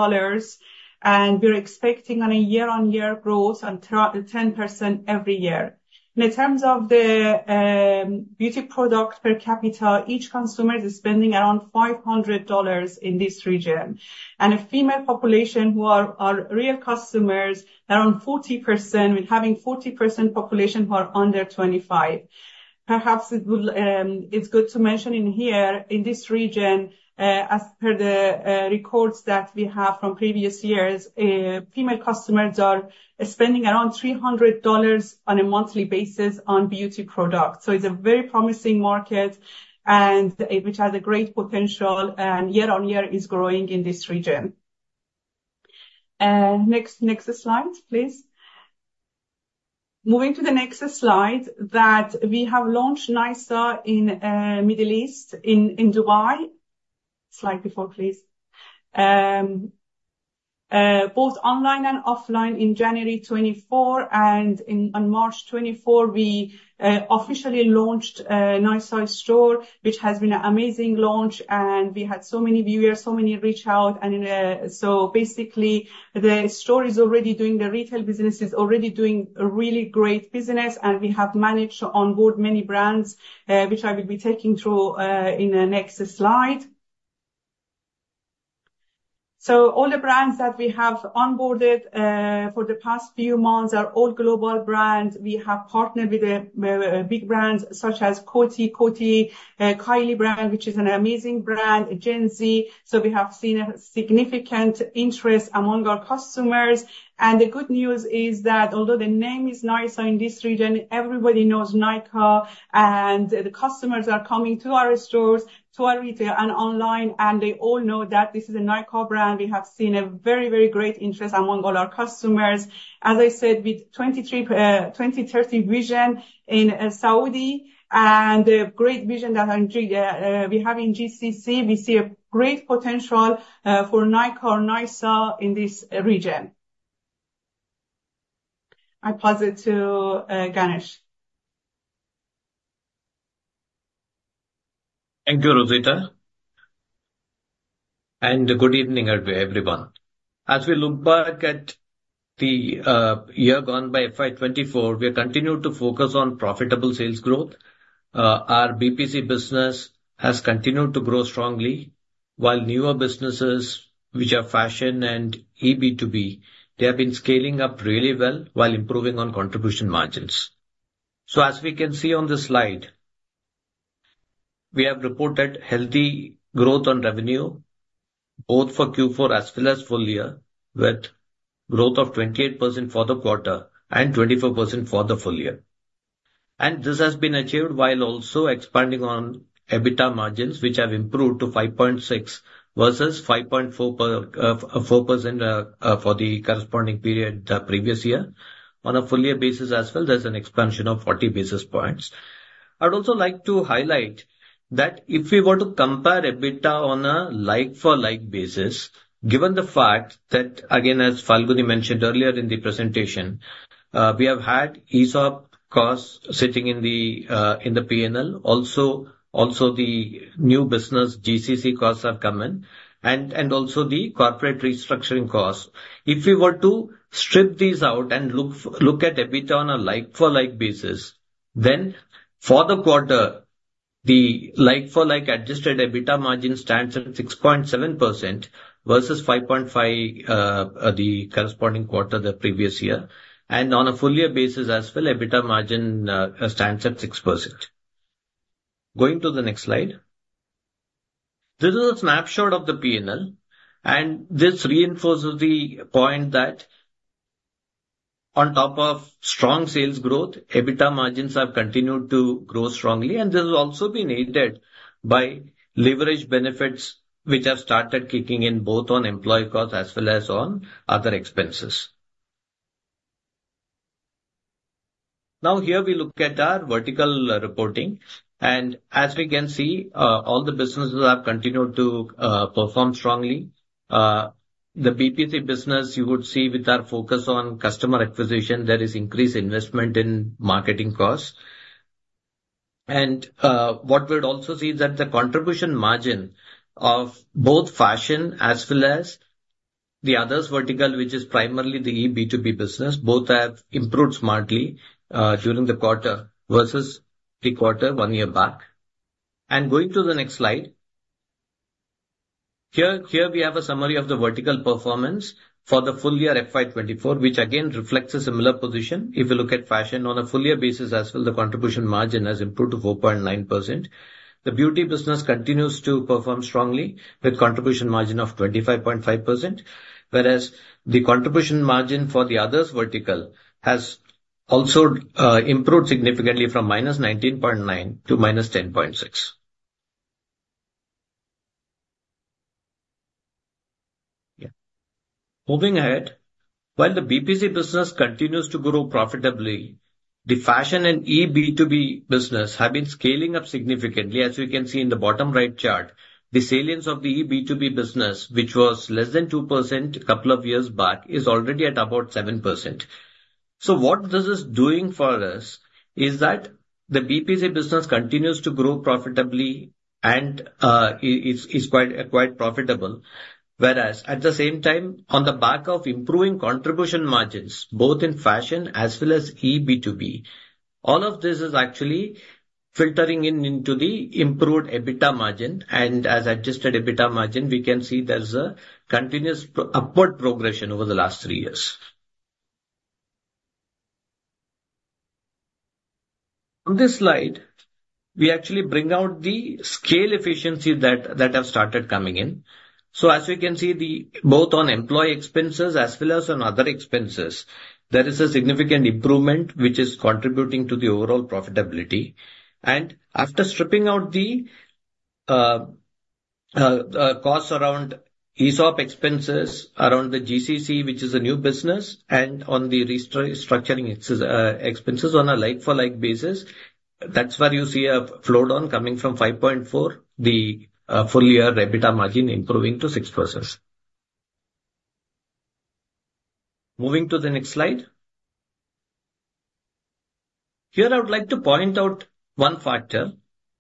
and we're expecting on a year-on-year growth on throughout 10% every year. In terms of the beauty product per capita, each consumer is spending around $500 in this region. And the female population who are real customers, around 40%, with having 40% population who are under 25. It's good to mention in here, in this region, as per the records that we have from previous years, female customers are spending around $300 on a monthly basis on beauty products. So it's a very promising market and which has a great potential, and year-on-year is growing in this region. Next, next slide, please. Moving to the next slide, that we have launched Nysaa in Middle East, in Dubai. Slide before, please. Both online and offline in January 2024, and on March 2024, we officially launched a Nysaa store, which has been an amazing launch, and we had so many viewers, so many reach out. So basically, the store is already doing the retail business. It's already doing a really great business, and we have managed to onboard many brands, which I will be taking through in the next slide. So all the brands that we have onboarded for the past few months are all global brands. We have partnered with big brands such as Coty, Coty, Kylie Brand, which is an amazing brand, Gen Z. So we have seen a significant interest among our customers, and the good news is that although the name is Nysaa, in this region, everybody knows Nykaa, and the customers are coming to our stores, to our retail and online, and they all know that this is a Nykaa brand. We have seen a very, very great interest among all our customers. As I said, with 2030 vision in Saudi and the great vision that we have in GCC, we see a great potential for Nykaa or Nysaa in this region. I pass it to Ganesh. Thank you, Rozita, and good evening, everyone. As we look back at the year gone by FY 2024, we have continued to focus on profitable sales growth. Our BPC business has continued to grow strongly, while newer businesses, which are fashion and eB2B, they have been scaling up really well while improving on contribution margins. So as we can see on the slide, we have reported healthy growth on revenue, both for Q4 as well as full year, with growth of 28% for the quarter and 24% for the full year. And this has been achieved while also expanding on EBITDA margins, which have improved to 5.6% versus 5.4% for the corresponding period the previous year. On a full year basis as well, there's an expansion of 40 basis points. I'd also like to highlight that if we were to compare EBITDA on a like-for-like basis, given the fact that, again, as Falguni mentioned earlier in the presentation, we have had ESOP costs sitting in the, in the P&L, also, also the new business GCC costs have come in, and, and also the corporate restructuring costs. If we were to strip these out and look at EBITDA on a like-for-like basis, then for the quarter, the like-for-like adjusted EBITDA margin stands at 6.7% versus 5.5, the corresponding quarter the previous year, and on a full year basis as well, EBITDA margin stands at 6%. Going to the next slide. This is a snapshot of the P&L, and this reinforces the point that on top of strong sales growth, EBITDA margins have continued to grow strongly, and this has also been aided by leverage benefits, which have started kicking in both on employee costs as well as on other expenses. Now, here we look at our vertical reporting, and as we can see, all the businesses have continued to perform strongly. The BPC business, you would see with our focus on customer acquisition, there is increased investment in marketing costs. What we'd also see is that the contribution margin of both Fashion as well as the others vertical, which is primarily the eB2B business, both have improved smartly during the quarter versus the quarter one year back. Going to the next slide. Here, here we have a summary of the vertical performance for the full year FY 2024, which again reflects a similar position. If you look at fashion on a full year basis as well, the contribution margin has improved to 4.9%. The beauty business continues to perform strongly, with contribution margin of 25.5%, whereas the contribution margin for the others vertical has also improved significantly from -19.9 to -10.6. Yeah. Moving ahead, while the BPC business continues to grow profitably, the fashion and eB2B business have been scaling up significantly. As we can see in the bottom right chart, the salience of the eB2BB business, which was less than 2% a couple of years back, is already at about 7%.... So what this is doing for us is that the B2C business continues to grow profitably and is quite profitable. Whereas at the same time, on the back of improving contribution margins, both in fashion as well as eB2B, all of this is actually filtering in into the improved EBITDA margin. And as adjusted EBITDA margin, we can see there's a continuous upward progression over the last three years. On this slide, we actually bring out the scale efficiency that have started coming in. So as you can see, both on employee expenses as well as on other expenses, there is a significant improvement, which is contributing to the overall profitability. After stripping out the costs around ESOP expenses, around the GCC, which is a new business, and on the restructuring expenses on a like-for-like basis, that's where you see a flow down coming from 5.4, the full year EBITDA margin improving to 6%. Moving to the next slide. Here I would like to point out one factor.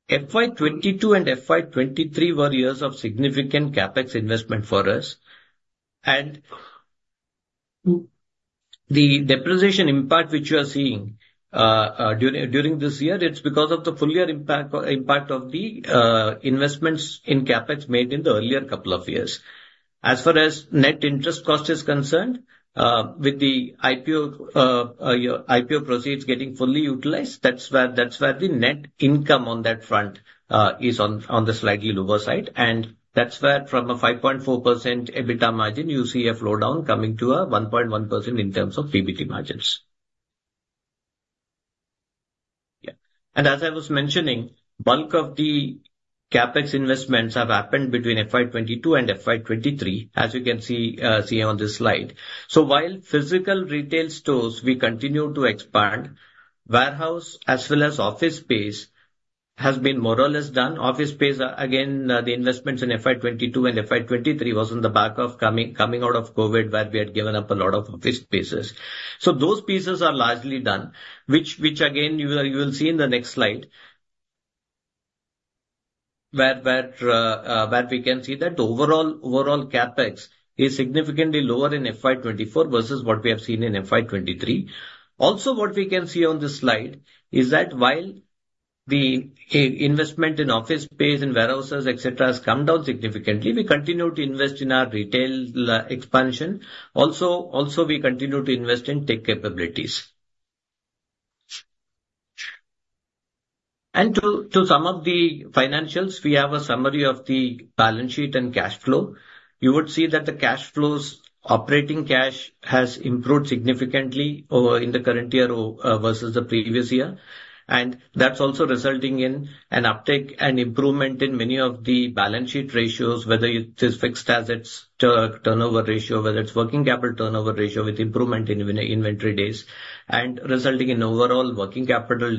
FY 2022 and FY 2023 were years of significant CapEx investment for us, and the depreciation impact, which you are seeing during this year, it's because of the full year impact of the investments in CapEx made in the earlier couple of years. As far as net interest cost is concerned, with the IPO, IPO proceeds getting fully utilized, that's where, that's where the net income on that front, is on, on the slightly lower side. And that's where from a 5.4% EBITDA margin, you see a flow down coming to a 1.1% in terms of PBT margins. Yeah. And as I was mentioning, bulk of the CapEx investments have happened between FY 2022 and FY 2023, as you can see on this slide. So while physical retail stores, we continue to expand, warehouse as well as office space has been more or less done. Office space, again, the investments in FY 2022 and FY 2023 was on the back of coming out of COVID, where we had given up a lot of office spaces. So those pieces are largely done, which, which again, you will, you will see in the next slide. Where, where we can see that the overall, overall CapEx is significantly lower in FY 2024 versus what we have seen in FY 2023. Also, what we can see on this slide is that while the investment in office space and warehouses, et cetera, has come down significantly, we continue to invest in our retail expansion. Also, also we continue to invest in tech capabilities. And to, to sum up the financials, we have a summary of the balance sheet and cash flow. You would see that the cash flows, operating cash, has improved significantly over in the current year versus the previous year, and that's also resulting in an uptick and improvement in many of the balance sheet ratios, whether it is fixed assets turnover ratio, whether it's working capital turnover ratio with improvement in inventory days, and resulting in overall working capital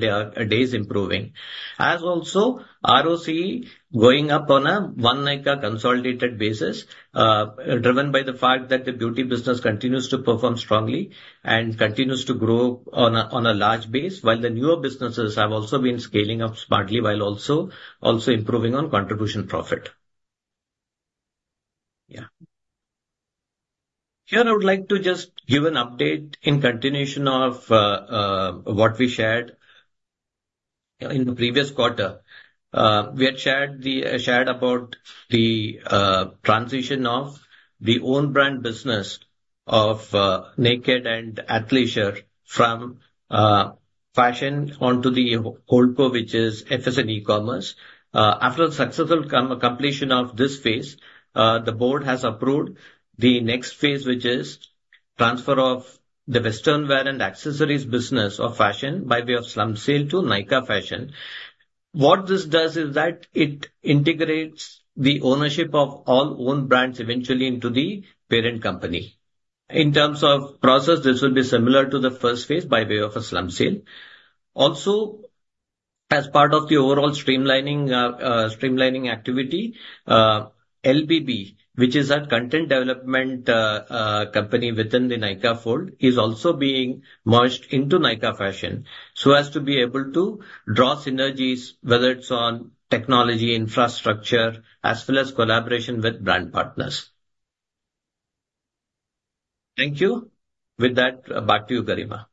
days improving. As also, ROCE going up on a one Nykaa consolidated basis, driven by the fact that the beauty business continues to perform strongly and continues to grow on a large base, while the newer businesses have also been scaling up smartly, while also improving on contribution profit. Yeah. Here, I would like to just give an update in continuation of what we shared in the previous quarter. We had shared about the transition of the own brand business of NYKD and athleisure from fashion onto the Holdco, which is FSN E-Commerce. After the successful completion of this phase, the board has approved the next phase, which is transfer of the western wear and accessories business of fashion by way of slump sale to Nykaa Fashion. What this does is that it integrates the ownership of all own brands eventually into the parent company. In terms of process, this will be similar to the first phase by way of a slump sale. Also, as part of the overall streamlining activity, LBB, which is our content development company within the Nykaa fold, is also being merged into Nykaa Fashion, so as to be able to draw synergies, whether it's on technology, infrastructure, as well as collaboration with brand partners. Thank you. With that, back to you, Garima.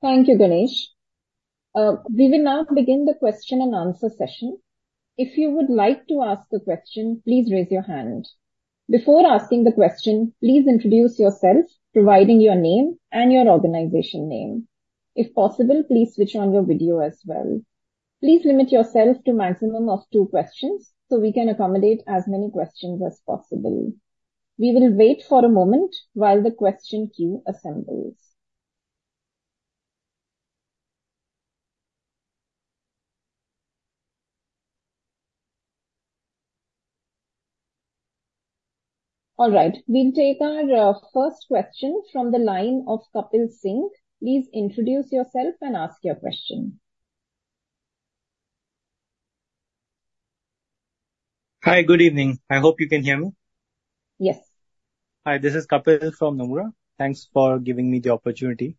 Thank you, Ganesh. We will now begin the question-and-answer session. If you would like to ask a question, please raise your hand. Before asking the question, please introduce yourself, providing your name and your organization name. If possible, please switch on your video as well. Please limit yourself to maximum of two questions, so we can accommodate as many questions as possible. We will wait for a moment while the question queue assembles. All right. We'll take our first question from the line of Kapil Singh. Please introduce yourself and ask your question. Hi, good evening. I hope you can hear me. Yes. Hi, this is Kapil from Nomura. Thanks for giving me the opportunity.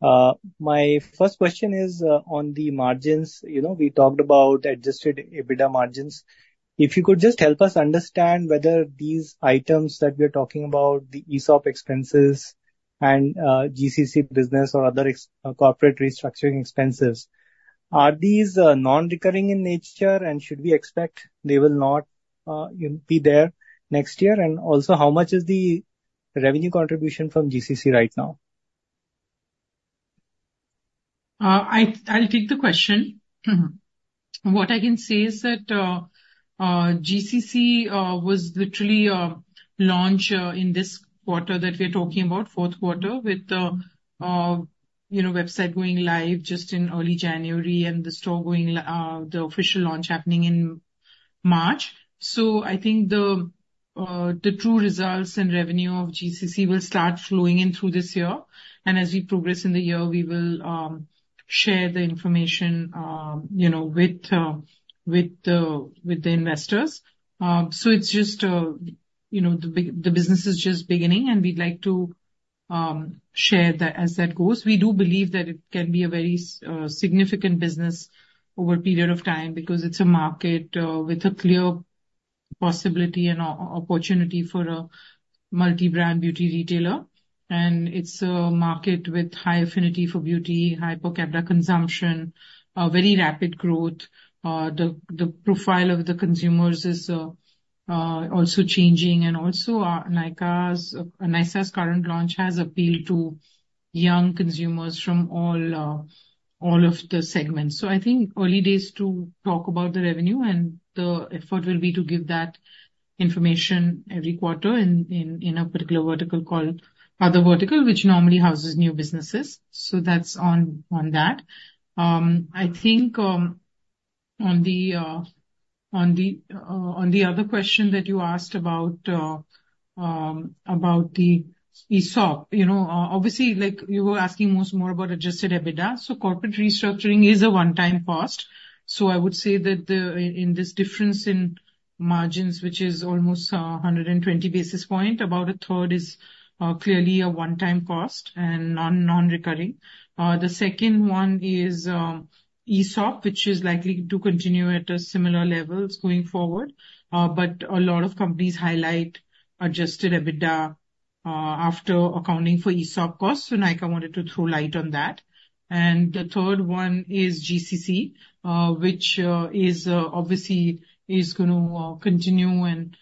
My first question is on the margins. You know, we talked about adjusted EBITDA margins. If you could just help us understand whether these items that we are talking about, the ESOP expenses and GCC business or other corporate restructuring expenses, are these non-recurring in nature, and should we expect they will not be there next year? And also, how much is the revenue contribution from GCC right now? I'll take the question. Mm-hmm. What I can say is that, GCC was literally launched in this quarter that we're talking about, fourth quarter, with the, you know, website going live just in early January and the store going, the official launch happening in March. So I think the true results and revenue of GCC will start flowing in through this year, and as we progress in the year, we will share the information, you know, with the investors. So it's just, you know, the business is just beginning, and we'd like to share that as that goes. We do believe that it can be a very significant business over a period of time, because it's a market with a clear possibility and opportunity for a multi-brand beauty retailer. And it's a market with high affinity for beauty, high per capita consumption very rapid growth. The profile of the consumers is also changing, and also Nykaa's Nykaa's current launch has appealed to young consumers from all of the segments. So I think early days to talk about the revenue, and the effort will be to give that information every quarter in a particular vertical called other vertical, which normally houses new businesses. So that's on that. I think, on the other question that you asked about, about the ESOP, you know, obviously, like, you were asking more about adjusted EBITDA, so corporate restructuring is a one-time cost. So I would say that in this difference in margins, which is almost 120 basis points, about a third is clearly a one-time cost and non-recurring. The second one is ESOP, which is likely to continue at a similar level going forward. But a lot of companies highlight adjusted EBITDA after accounting for ESOP costs, so Nykaa wanted to throw light on that. And the third one is GCC, which is obviously going to continue, and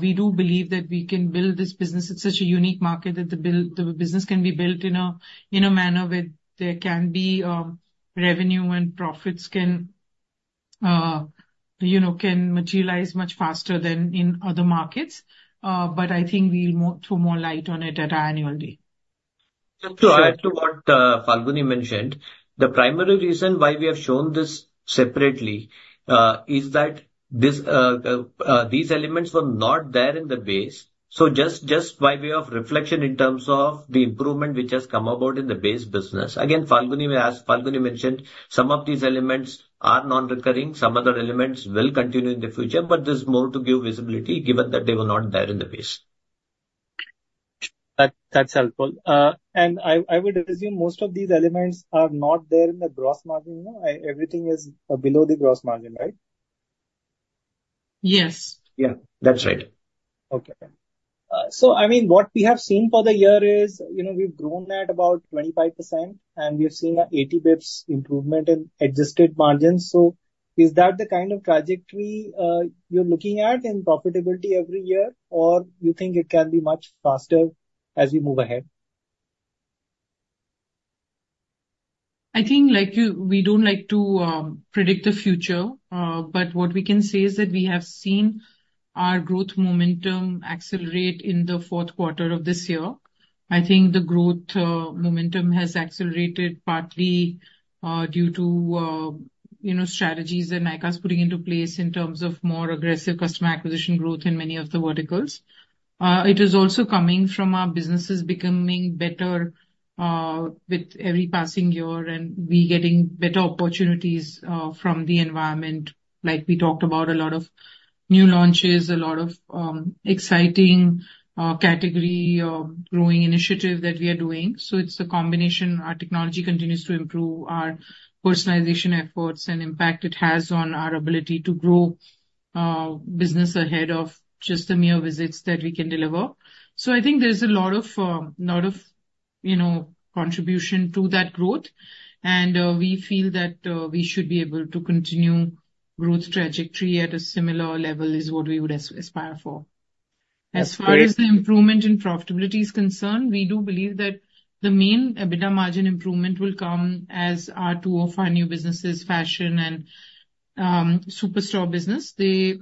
we do believe that we can build this business. It's such a unique market that the business can be built in a manner where there can be revenue and profits, you know, can materialize much faster than in other markets. But I think we'll throw more light on it at our annual day. Just to add to what Falguni mentioned, the primary reason why we have shown this separately is that these elements were not there in the base. So just by way of reflection in terms of the improvement which has come about in the base business. Again, Falguni, as Falguni mentioned, some of these elements are non-recurring, some other elements will continue in the future, but this is more to give visibility, given that they were not there in the base. That's helpful. And I would assume most of these elements are not there in the gross margin, no? Everything is below the gross margin, right? Yes. Yeah, that's right. Okay. So I mean, what we have seen for the year is, you know, we've grown at about 25%, and we have seen an 80 basis points improvement in adjusted margins. So is that the kind of trajectory you're looking at in profitability every year, or you think it can be much faster as we move ahead? I think, like you, we don't like to predict the future, but what we can say is that we have seen our growth momentum accelerate in the fourth quarter of this year. I think the growth momentum has accelerated partly due to you know, strategies that Nykaa's putting into place in terms of more aggressive customer acquisition growth in many of the verticals. It is also coming from our businesses becoming better with every passing year, and we getting better opportunities from the environment. Like we talked about, a lot of new launches, a lot of exciting category growing initiative that we are doing. So it's a combination. Our technology continues to improve, our personalization efforts and impact it has on our ability to grow business ahead of just the mere visits that we can deliver. So I think there's a lot of, lot of, you know, contribution to that growth, and, we feel that, we should be able to continue growth trajectory at a similar level is what we would aspire for. As far as the improvement in profitability is concerned, we do believe that the main EBITDA margin improvement will come as our two of our new businesses, fashion and, Superstore business. They,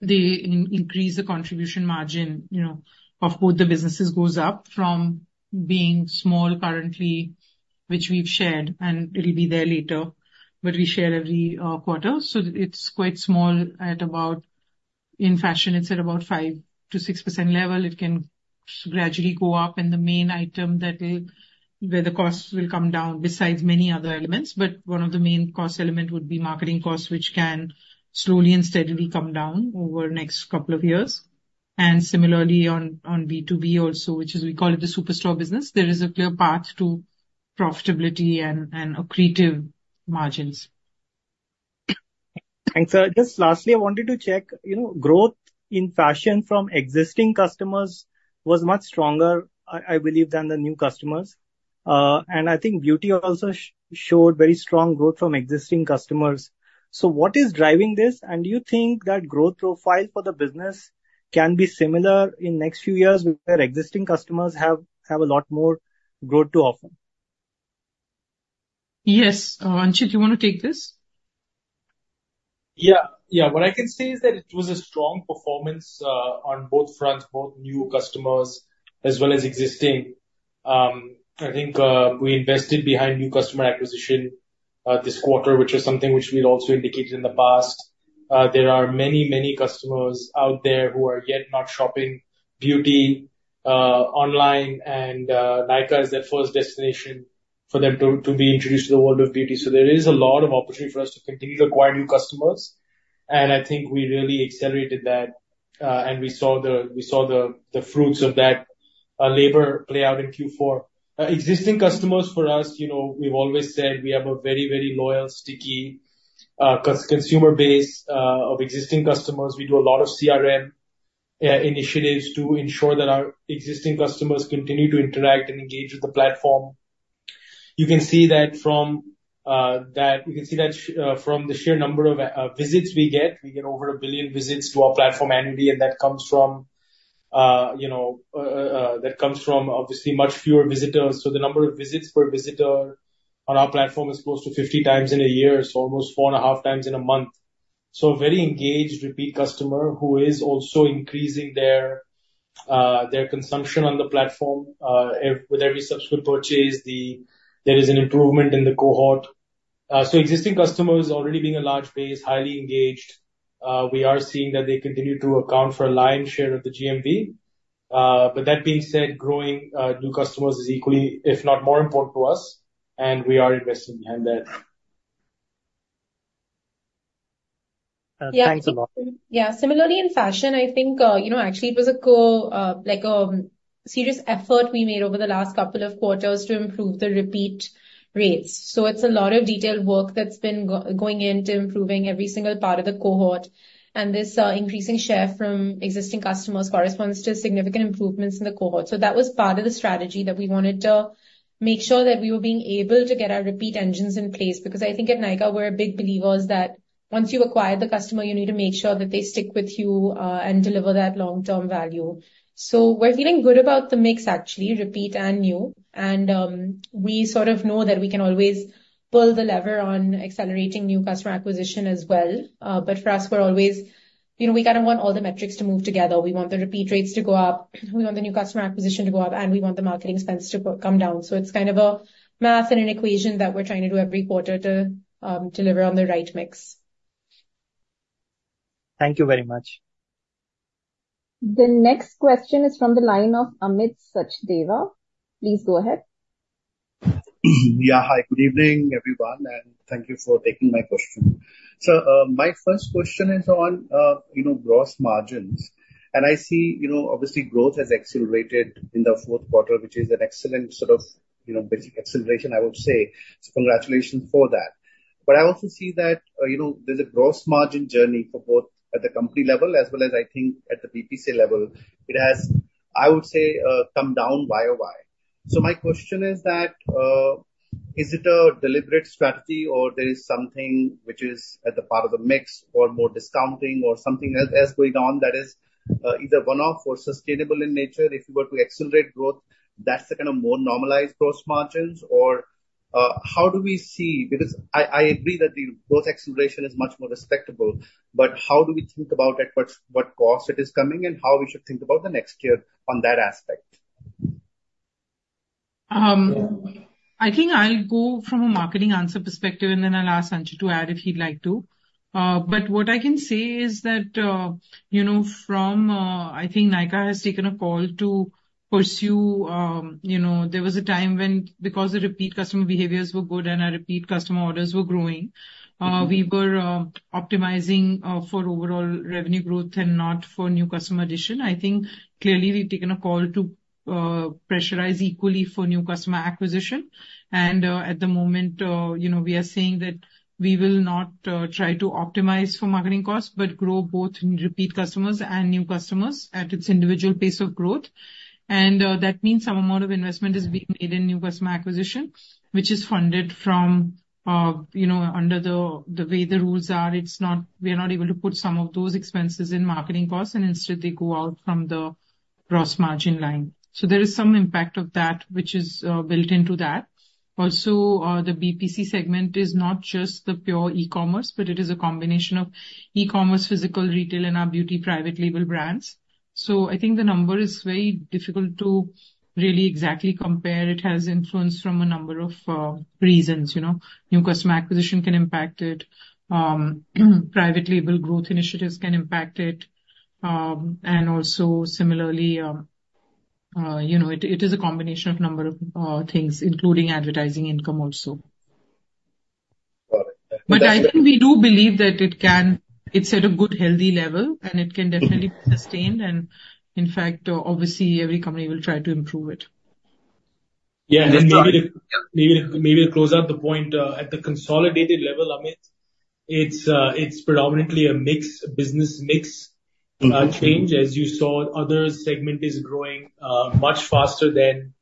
they increase the contribution margin, you know, of both the businesses goes up from being small currently, which we've shared, and it'll be there later, but we share every, quarter. So it's quite small, at about in fashion, it's at about 5%-6% level. It can gradually go up, and the main item where the costs will come down, besides many other elements, but one of the main cost element would be marketing costs, which can slowly and steadily come down over the next couple of years. And similarly, on B2B also, which is we call it the Superstore business, there is a clear path to profitability and accretive margins. Thanks, sir. Just lastly, I wanted to check, you know, growth in fashion from existing customers was much stronger, I, I believe, than the new customers. And I think beauty also showed very strong growth from existing customers. So what is driving this? And do you think that growth profile for the business can be similar in next few years, where existing customers have, have a lot more growth to offer? Yes. Anchit, do you want to take this? Yeah. Yeah. What I can say is that it was a strong performance on both fronts, both new customers as well as existing. I think we invested behind new customer acquisition this quarter, which is something which we've also indicated in the past. There are many, many customers out there who are yet not shopping beauty online, and Nykaa is their first destination for them to be introduced to the world of beauty. So there is a lot of opportunity for us to continue to acquire new customers, and I think we really accelerated that, and we saw the fruits of that labor play out in Q4. Existing customers for us, you know, we've always said we have a very, very loyal, sticky customer base of existing customers. We do a lot of CRM initiatives to ensure that our existing customers continue to interact and engage with the platform. You can see that from the sheer number of visits we get. We get over 1 billion visits to our platform annually, and that comes from, you know, obviously much fewer visitors. So the number of visits per visitor on our platform is close to 50 times in a year, so almost 4.5 times in a month. So a very engaged repeat customer who is also increasing their consumption on the platform. With every subsequent purchase, there is an improvement in the cohort. So existing customers already being a large base, highly engaged, we are seeing that they continue to account for a lion's share of the GMV. But that being said, growing new customers is equally, if not more important to us, and we are investing behind that. Thanks a lot. Yeah. Similarly, in fashion, I think, you know, actually it was a serious effort we made over the last couple of quarters to improve the repeat rates. So it's a lot of detailed work that's been going into improving every single part of the cohort, and this increasing share from existing customers corresponds to significant improvements in the cohort. So that was part of the strategy, that we wanted to make sure that we were being able to get our repeat engines in place, because I think at Nykaa, we're big believers that once you acquire the customer, you need to make sure that they stick with you, and deliver that long-term value. So we're feeling good about the mix, actually, repeat and new, and we sort of know that we can always pull the lever on accelerating new customer acquisition as well. But for us, we're always... You know, we kind of want all the metrics to move together. We want the repeat rates to go up, we want the new customer acquisition to go up, and we want the marketing spends to come down. So it's kind of a math and an equation that we're trying to do every quarter to deliver on the right mix. Thank you very much. The next question is from the line of Amit Sachdeva. Please go ahead. Yeah, hi, good evening, everyone, and thank you for taking my question. So, my first question is on, you know, gross margins, and I see, you know, obviously, growth has accelerated in the fourth quarter, which is an excellent sort of, you know, basic acceleration, I would say. So congratulations for that. But I also see that, you know, there's a gross margin journey for both at the company level as well as, I think, at the BPC level. It has, I would say, come down Y over Y. So my question is that, is it a deliberate strategy or there is something which is at the part of the mix or more discounting or something else that's going on that is, either one-off or sustainable in nature, if you were to accelerate growth, that's the kind of more normalized gross margins? Or, how do we see? Because I agree that the growth acceleration is much more respectable, but how do we think about at what cost it is coming and how we should think about the next year on that aspect? I think I'll go from a marketing answer perspective, and then I'll ask Anchit to add if he'd like to. But what I can say is that, you know, from, I think Nykaa has taken a call to pursue. You know, there was a time when because the repeat customer behaviors were good and our repeat customer orders were growing, we were optimizing for overall revenue growth and not for new customer acquisition. I think clearly we've taken a call to pressurize equally for new customer acquisition. And, at the moment, you know, we are saying that we will not try to optimize for marketing costs, but grow both in repeat customers and new customers at its individual pace of growth. That means some amount of investment is being made in new customer acquisition, which is funded from, you know, under the way the rules are. It's not, we are not able to put some of those expenses in marketing costs, and instead they go out from the gross margin line. There is some impact of that, which is built into that. Also, the BPC segment is not just the pure e-commerce, but it is a combination of e-commerce, physical retail, and our beauty private label brands. So I think the number is very difficult to really exactly compare. It has influence from a number of reasons, you know. New customer acquisition can impact it, private label growth initiatives can impact it, and also similarly, you know, it is a combination of a number of things, including advertising income also. Got it. But I think we do believe that it can. It's at a good, healthy level, and it can definitely- Mm-hmm. be sustained, and in fact, obviously, every company will try to improve it. Yeah, and maybe, maybe, maybe to close out the point, at the consolidated level, Amit, it's, it's predominantly a mix, business mix- Mm-hmm. -change. As you saw, other segment is growing much faster than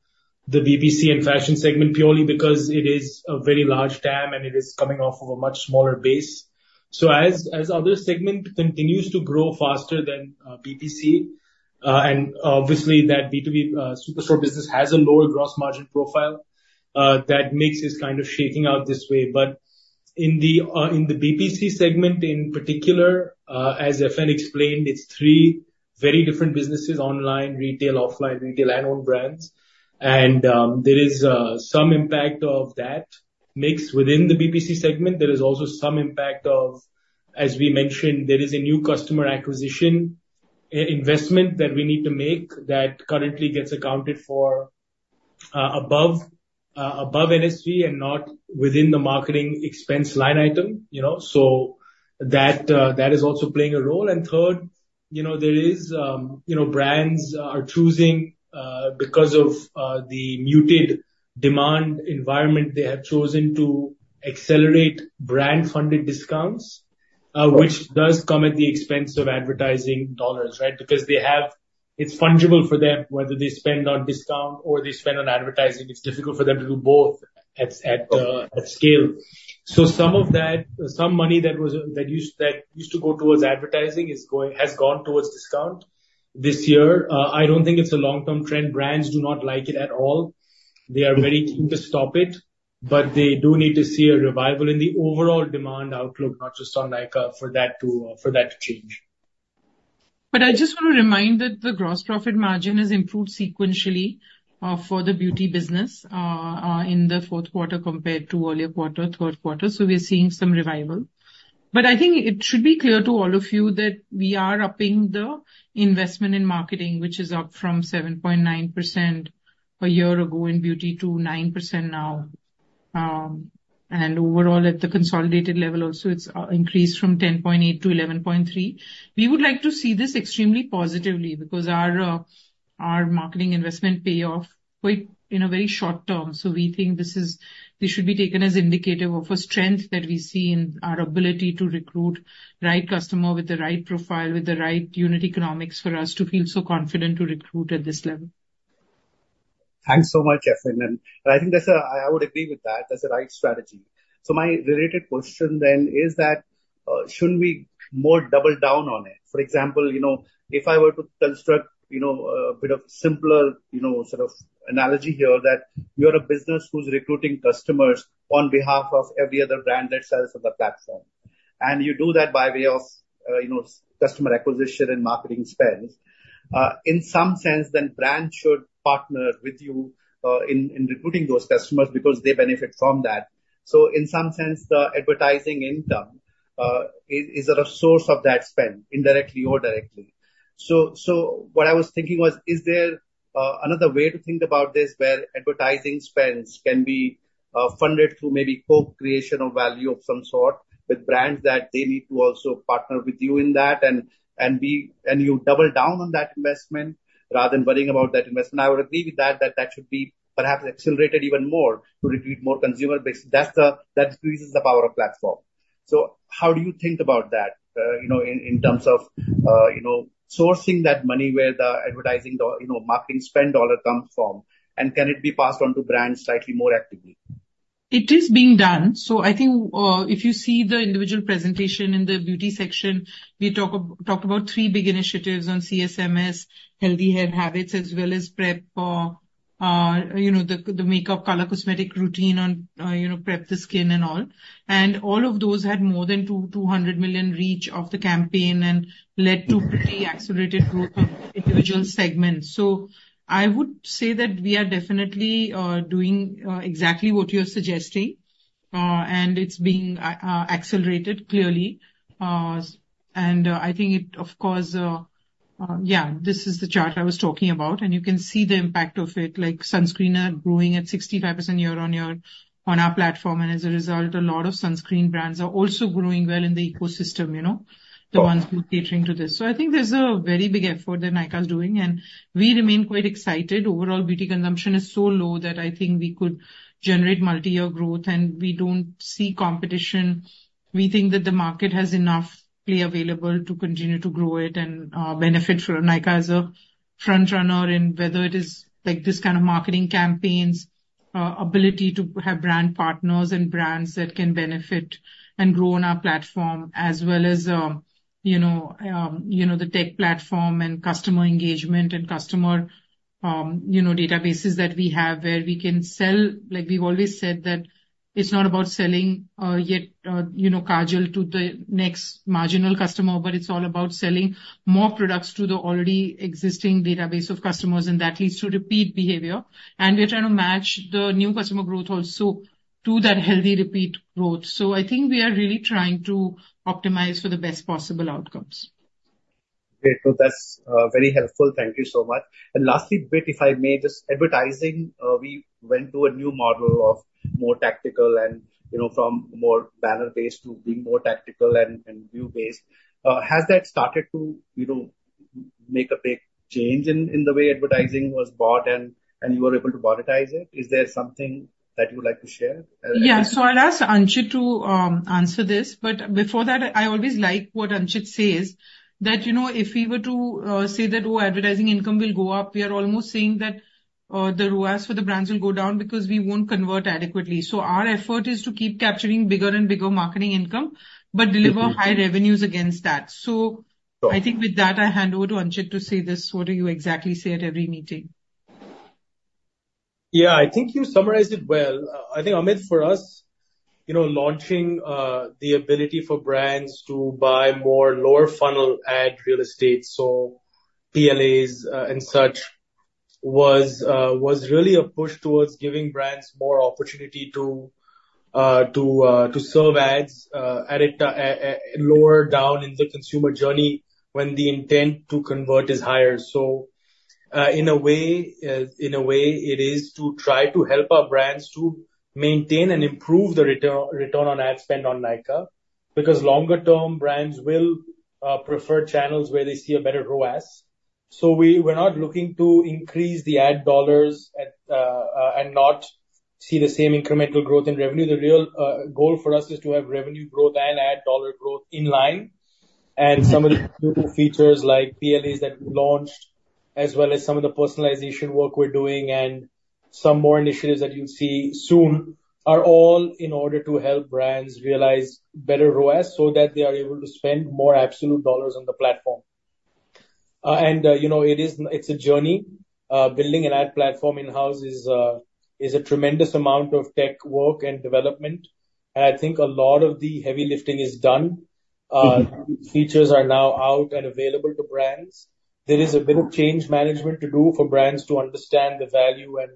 the BPC and fashion segment, purely because it is a very large TAM, and it is coming off of a much smaller base. So as other segment continues to grow faster than BPC, and obviously, that B2B Superstore business has a lower gross margin profile, that mix is kind of shaking out this way. But in the BPC segment, in particular, as FN explained, it's three very different businesses: online, retail, offline retail, and own brands. And there is some impact of that mix within the BPC segment. There is also some impact of, as we mentioned, there is a new customer acquisition, investment that we need to make that currently gets accounted for, above, above NSV and not within the marketing expense line item, you know. So that, that is also playing a role. And third, you know, there is, you know, brands are choosing, because of, the muted demand environment, they have chosen to accelerate brand-funded discounts- Got it. which does come at the expense of advertising dollars, right? Because they have—it's fungible for them whether they spend on discount or they spend on advertising. It's difficult for them to do both at scale. Okay. So some of that, some money that used to go towards advertising has gone towards discount this year. I don't think it's a long-term trend. Brands do not like it at all. Mm-hmm. They are very keen to stop it, but they do need to see a revival in the overall demand outlook, not just on Nykaa, for that to change. But I just want to remind that the gross profit margin has improved sequentially for the beauty business in the fourth quarter compared to earlier quarter, third quarter, so we are seeing some revival. But I think it should be clear to all of you that we are upping the investment in marketing, which is up from 7.9% a year ago in beauty to 9% now. And overall, at the consolidated level also, it's increased from 10.8 to 11.3. We would like to see this extremely positively, because our marketing investment pay off quite in a very short term. We think this is, this should be taken as indicative of a strength that we see in our ability to recruit the right customer with the right profile, with the right unit economics for us to feel so confident to recruit at this level. Thanks so much, FN, and I think that's. I would agree with that. That's the right strategy. So my related question then is that, shouldn't we more double down on it? For example, you know, if I were to construct, you know, a bit of simpler, you know, sort of analogy here, that you're a business who's recruiting customers on behalf of every other brand that sells on the platform, and you do that by way of, you know, customer acquisition and marketing spends. In some sense, then brands should partner with you, in recruiting those customers because they benefit from that. So in some sense, the advertising income is a source of that spend, indirectly or directly. So what I was thinking was, is there another way to think about this, where advertising spends can be funded through maybe co-creation of value of some sort with brands that they need to also partner with you in that, and you double down on that investment rather than worrying about that investment? I would agree with that. That should be perhaps accelerated even more to recruit more consumer base. That's the. That increases the power of platform. So how do you think about that, you know, in terms of, you know, sourcing that money where the advertising or, you know, marketing spend dollar comes from, and can it be passed on to brands slightly more actively? It is being done. So I think, if you see the individual presentation in the beauty section, we talked about three big initiatives on CSMS, healthy hair habits, as well as prep for, you know, the, the makeup, color cosmetic routine on, you know, prep the skin and all. And all of those had more than 200 million reach of the campaign and led to pretty accelerated growth in individual segments. So I would say that we are definitely doing exactly what you're suggesting, and it's being accelerated clearly. And, I think it, of course... Yeah, this is the chart I was talking about, and you can see the impact of it, like, sunscreen are growing at 65% year-on-year on our platform, and as a result, a lot of sunscreen brands are also growing well in the ecosystem, you know? Got it. The ones who are catering to this. I think there's a very big effort that Nykaa is doing, and we remain quite excited. Overall, beauty consumption is so low that I think we could generate multi-year growth, and we don't see competition. We think that the market has enough play available to continue to grow it and, benefit from Nykaa as a front runner in whether it is, like, this kind of marketing campaigns, ability to have brand partners and brands that can benefit and grow on our platform, as well as, you know, you know, the tech platform and customer engagement and customer you know, databases that we have where we can sell. Like, we've always said that it's not about selling, you know, Kajal to the next marginal customer, but it's all about selling more products to the already existing database of customers, and that leads to repeat behavior. We're trying to match the new customer growth also to that healthy repeat growth. I think we are really trying to optimize for the best possible outcomes. Great. So that's very helpful. Thank you so much. Lastly, but if I may, just advertising. We went to a new model of more tactical and, you know, from more banner-based to being more tactical and view-based. Has that started to, you know, make a big change in the way advertising was bought and you were able to monetize it? Is there something that you would like to share? Yeah. So I'll ask Anchit to answer this. But before that, I always like what Anchit says, that, you know, if we were to say that, "Oh, advertising income will go up," we are almost saying that the ROAS for the brands will go down because we won't convert adequately. So our effort is to keep capturing bigger and bigger marketing income, but deliver high revenues against that. Sure. I think with that, I hand over to Anchit to say this. What do you exactly say at every meeting? Yeah, I think you summarized it well. I think, Amit, for us, you know, launching the ability for brands to buy more lower funnel ad real estate, so PLAs and such, was really a push towards giving brands more opportunity to to to serve ads at a lower down in the consumer journey when the intent to convert is higher. So, in a way, in a way, it is to try to help our brands to maintain and improve the return on ad spend on Nykaa, because longer term, brands will prefer channels where they see a better ROAS. So we're not looking to increase the ad dollars at and not see the same incremental growth in revenue. The real goal for us is to have revenue growth and ad dollar growth in line. Mm-hmm. Some of the new features, like PLAs that we launched, as well as some of the personalization work we're doing and some more initiatives that you'll see soon, are all in order to help brands realize better ROAS, so that they are able to spend more absolute dollars on the platform. You know, it's a journey. Building an ad platform in-house is a tremendous amount of tech work and development, and I think a lot of the heavy lifting is done. Mm-hmm. Features are now out and available to brands. There is a bit of change management to do for brands to understand the value and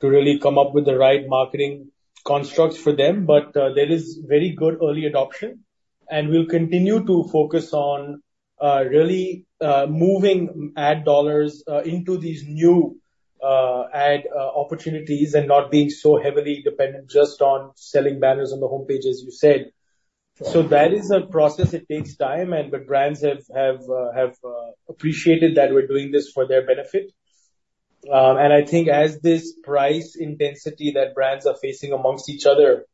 to really come up with the right marketing constructs for them, but there is very good early adoption. And we'll continue to focus on really moving ad dollars into these new ad opportunities and not being so heavily dependent just on selling banners on the home page, as you said. Sure. That is a process. It takes time, but brands have appreciated that we're doing this for their benefit. And I think as this price intensity that brands are facing amongst each other,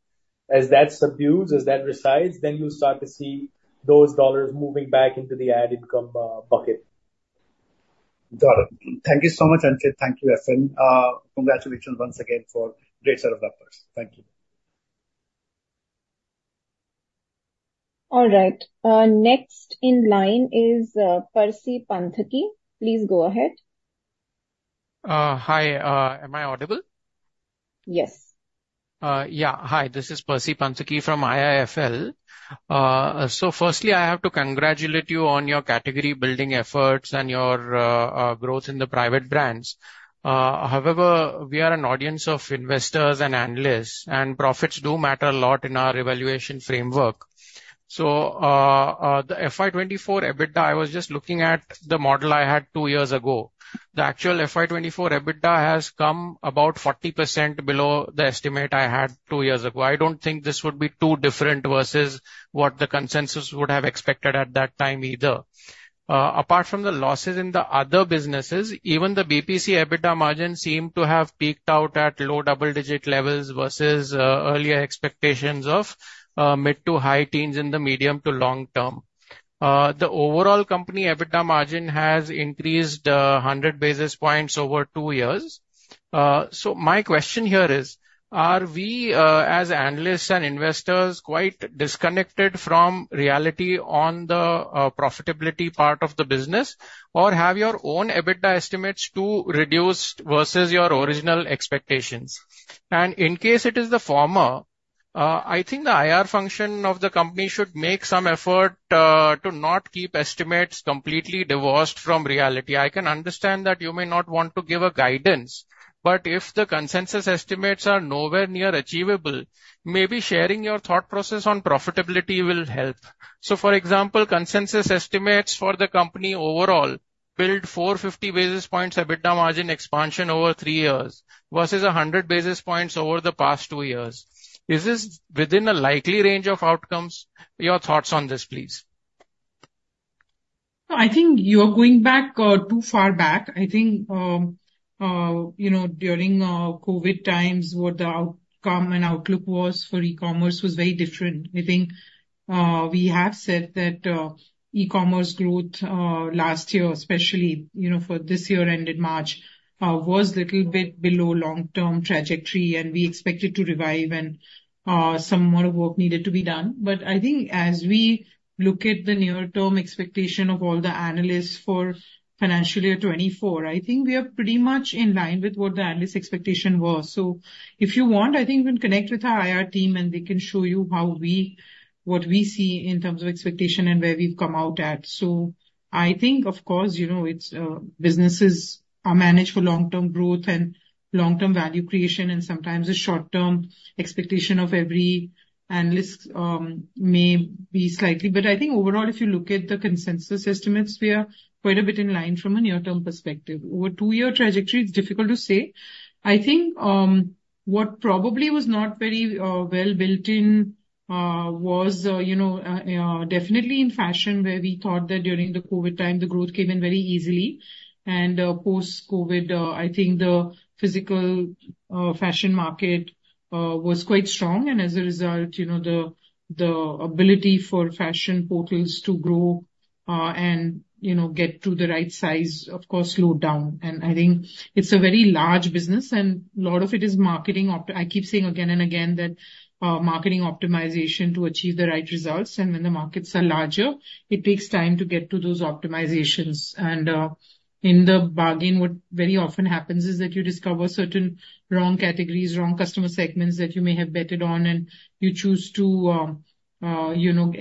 as that subsides, then you'll start to see those dollars moving back into the ad income bucket. Got it. Thank you so much, Anchit. Thank you, FSN. Congratulations once again for great set of numbers. Thank you. All right, next in line is, Percy Panthaki. Please go ahead. Hi, am I audible? Yes. Yeah. Hi, this is Percy Panthaki from IIFL. So firstly, I have to congratulate you on your category building efforts and your growth in the private brands. However, we are an audience of investors and analysts, and profits do matter a lot in our evaluation framework. So, the FY 2024 EBITDA, I was just looking at the model I had two years ago. The actual FY 2024 EBITDA has come about 40% below the estimate I had two years ago. I don't think this would be too different versus what the cocensus would have expected at that time either. Apart from the losses in the other businesses, even the BPC EBITDA margins seem to have peaked out at low double-digit levels versus earlier expectations of mid- to high-teens in the medium- to long-term. The overall company EBITDA margin has increased 100 basis points over two years. So my question here is, are we, as analysts and investors, quite disconnected from reality on the profitability part of the business? Or have your own EBITDA estimates too reduced versus your original expectations? And in case it is the former, I think the IR function of the company should make some effort to not keep estimates completely divorced from reality. I can understand that you may not want to give a guidance, but if the consensus estimates are nowhere near achievable, maybe sharing your thought process on profitability will help. So for example, consensus estimates for the company overall build 450 basis points EBITDA margin expansion over three years versus 100 basis points over the past two years. Is this within a likely range of outcomes? Your thoughts on this, please. No, I think you're going back too far back. I think you know, during COVID times, what the outcome and outlook was for e-commerce was very different. I think we have said that e-commerce growth last year, especially you know, for this year ended March was little bit below long-term trajectory, and we expect it to revive and some more work needed to be done. But I think as we look at the near-term expectation of all the analysts for financial year 2024, I think we are pretty much in line with what the analyst expectation was. So if you want, I think you can connect with our IR team, and we can show you how we—what we see in terms of expectation and where we've come out at. So I think, of course, you know, it's, businesses are managed for long-term growth and long-term value creation, and sometimes the short-term expectation of every analyst, may be slightly. But I think overall, if you look at the consensus estimates, we are quite a bit in line from a near-term perspective. Over two-year trajectory, it's difficult to say. I think, what probably was not very well built in, was, you know, definitely in fashion, where we thought that during the COVID time, the growth came in very easily. And, post-COVID, I think the physical, fashion market, was quite strong, and as a result, you know, the ability for fashion portals to grow, and, you know, get to the right size, of course, slowed down. I think it's a very large business, and a lot of it is marketing optimization. I keep saying again and again that marketing optimization to achieve the right results, and when the markets are larger, it takes time to get to those optimizations. In the bargain, what very often happens is that you discover certain wrong categories, wrong customer segments that you may have betted on, and you choose to, you know,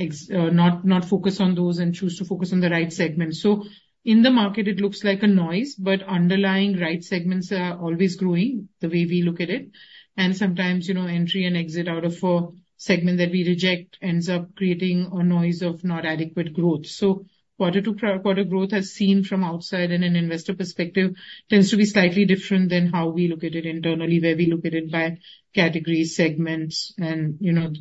not focus on those and choose to focus on the right segments. So in the market, it looks like a noise, but underlying right segments are always growing, the way we look at it. And sometimes, you know, entry and exit out of a segment that we reject ends up creating a noise of not adequate growth. So quarter-to-quarter growth as seen from outside in an investor perspective, tends to be slightly different than how we look at it internally, where we look at it by category, segments. And, you know,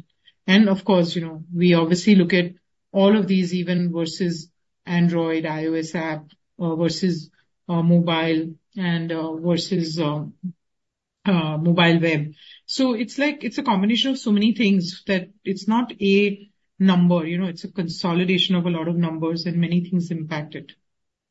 and of course, you know, we obviously look at all of these even versus Android, iOS app, versus mobile and versus mobile web. So it's like, it's a combination of so many things that it's not a number, you know, it's a consolidation of a lot of numbers, and many things impact it.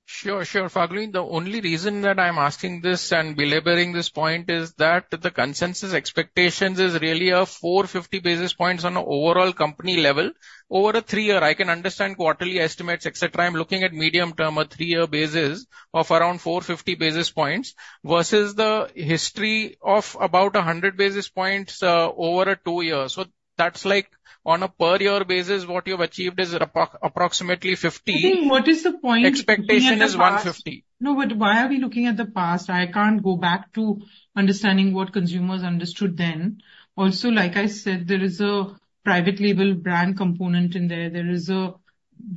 Sure, sure, Falguni. The only reason that I'm asking this and belaboring this point is that the consensus expectations is really 450 basis points on an overall company level over a three-year. I can understand quarterly estimates, et cetera. I'm looking at medium term, a three-year basis of around 450 basis points versus the history of about 100 basis points over a two-year. So that's like on a per year basis, what you've achieved is approximately fifty- I think what is the point looking at the past? Expectation is 150. No, but why are we looking at the past? I can't go back to understanding what consumers understood then. Also, like I said, there is a private label brand component in there. There is a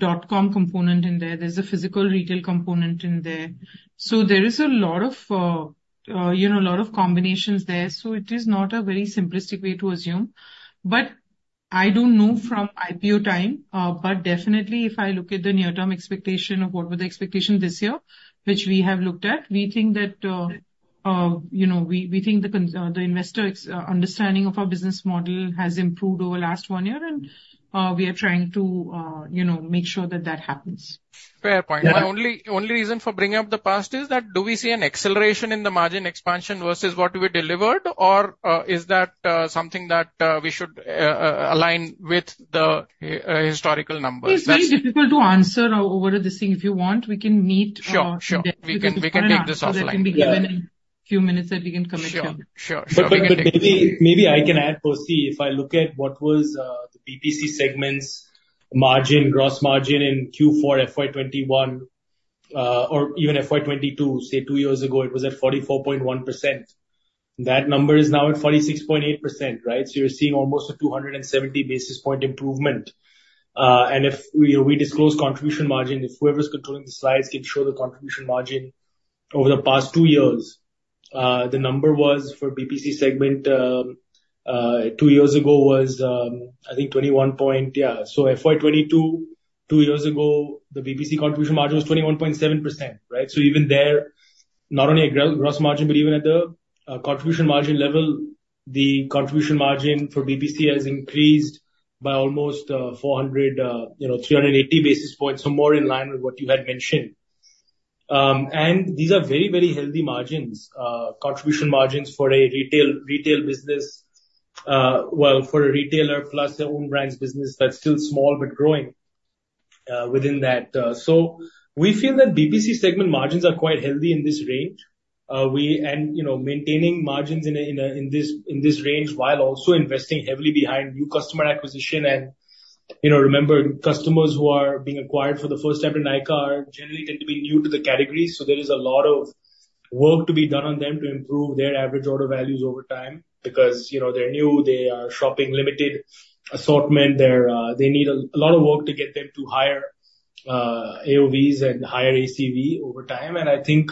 dot-com component in there. There's a physical retail component in there. So there is a lot of, you know, a lot of combinations there, so it is not a very simplistic way to assume. But I don't know from IPO time, but definitely, if I look at the near-term expectation of what were the expectation this year, which we have looked at, we think that, you know, we, we think the investors understanding of our business model has improved over the last one year, and, we are trying to, you know, make sure that that happens. Fair point. Yeah. The only, only reason for bringing up the past is that do we see an acceleration in the margin expansion versus what we delivered? Or, is that, something that, we should, align with the, historical numbers? That's- It's very difficult to answer over this thing. If you want, we can meet. Sure, sure. Today. We can, we can take this offline. So that can be given in few minutes, and we can commit on. Sure, sure, sure. But maybe, maybe I can add, Percy, if I look at what was the BPC segment's margin, gross margin in Q4 FY 2021, or even FY 2022, say, two years ago, it was at 44.1%. That number is now at 46.8%, right? So you're seeing almost a 270 basis point improvement. And if we, we disclose contribution margin, if whoever's controlling the slides can show the contribution margin over the past two years. The number was for BPC segment, two years ago was, I think 21... Yeah, so FY 2022, two years ago, the BPC contribution margin was 21.7%, right? So even there, not only at gross margin, but even at the contribution margin level, the contribution margin for BPC has increased by almost 400, you know, 380 basis points, so more in line with what you had mentioned. And these are very, very healthy margins, contribution margins for a retail business, well, for a retailer plus their own brands business that's still small but growing, within that. So we feel that BPC segment margins are quite healthy in this range. And, you know, maintaining margins in this range while also investing heavily behind new customer acquisition. And, you know, remember, customers who are being acquired for the first time in Nykaa are generally going to be new to the category, so there is a lot of work to be done on them to improve their average order values over time. Because, you know, they're new, they are shopping limited assortment. They're, they need a lot of work to get them to higher AOVs and higher ACV over time. And I think,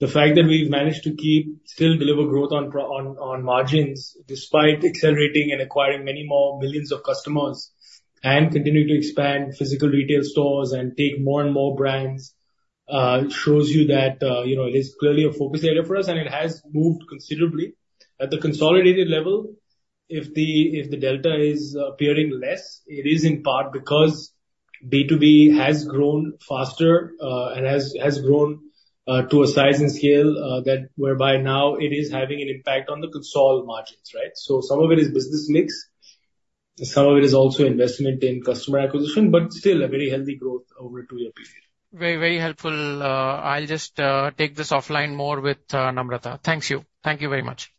the fact that we've managed to keep still deliver growth on on margins, despite accelerating and acquiring many more millions of customers, and continuing to expand physical retail stores and take more and more brands, shows you that, you know, it is clearly a focus area for us, and it has moved considerably. At the consolidated level, if the delta is appearing less, it is in part because B2B has grown faster, and has grown to a size and scale that whereby now it is having an impact on the consol margins, right? So some of it is business mix, and some of it is also investment in customer acquisition, but still a very healthy growth over a two-year period. Very, very helpful. I'll just take this offline more with Namrata. Thanks, you. Thank you very much.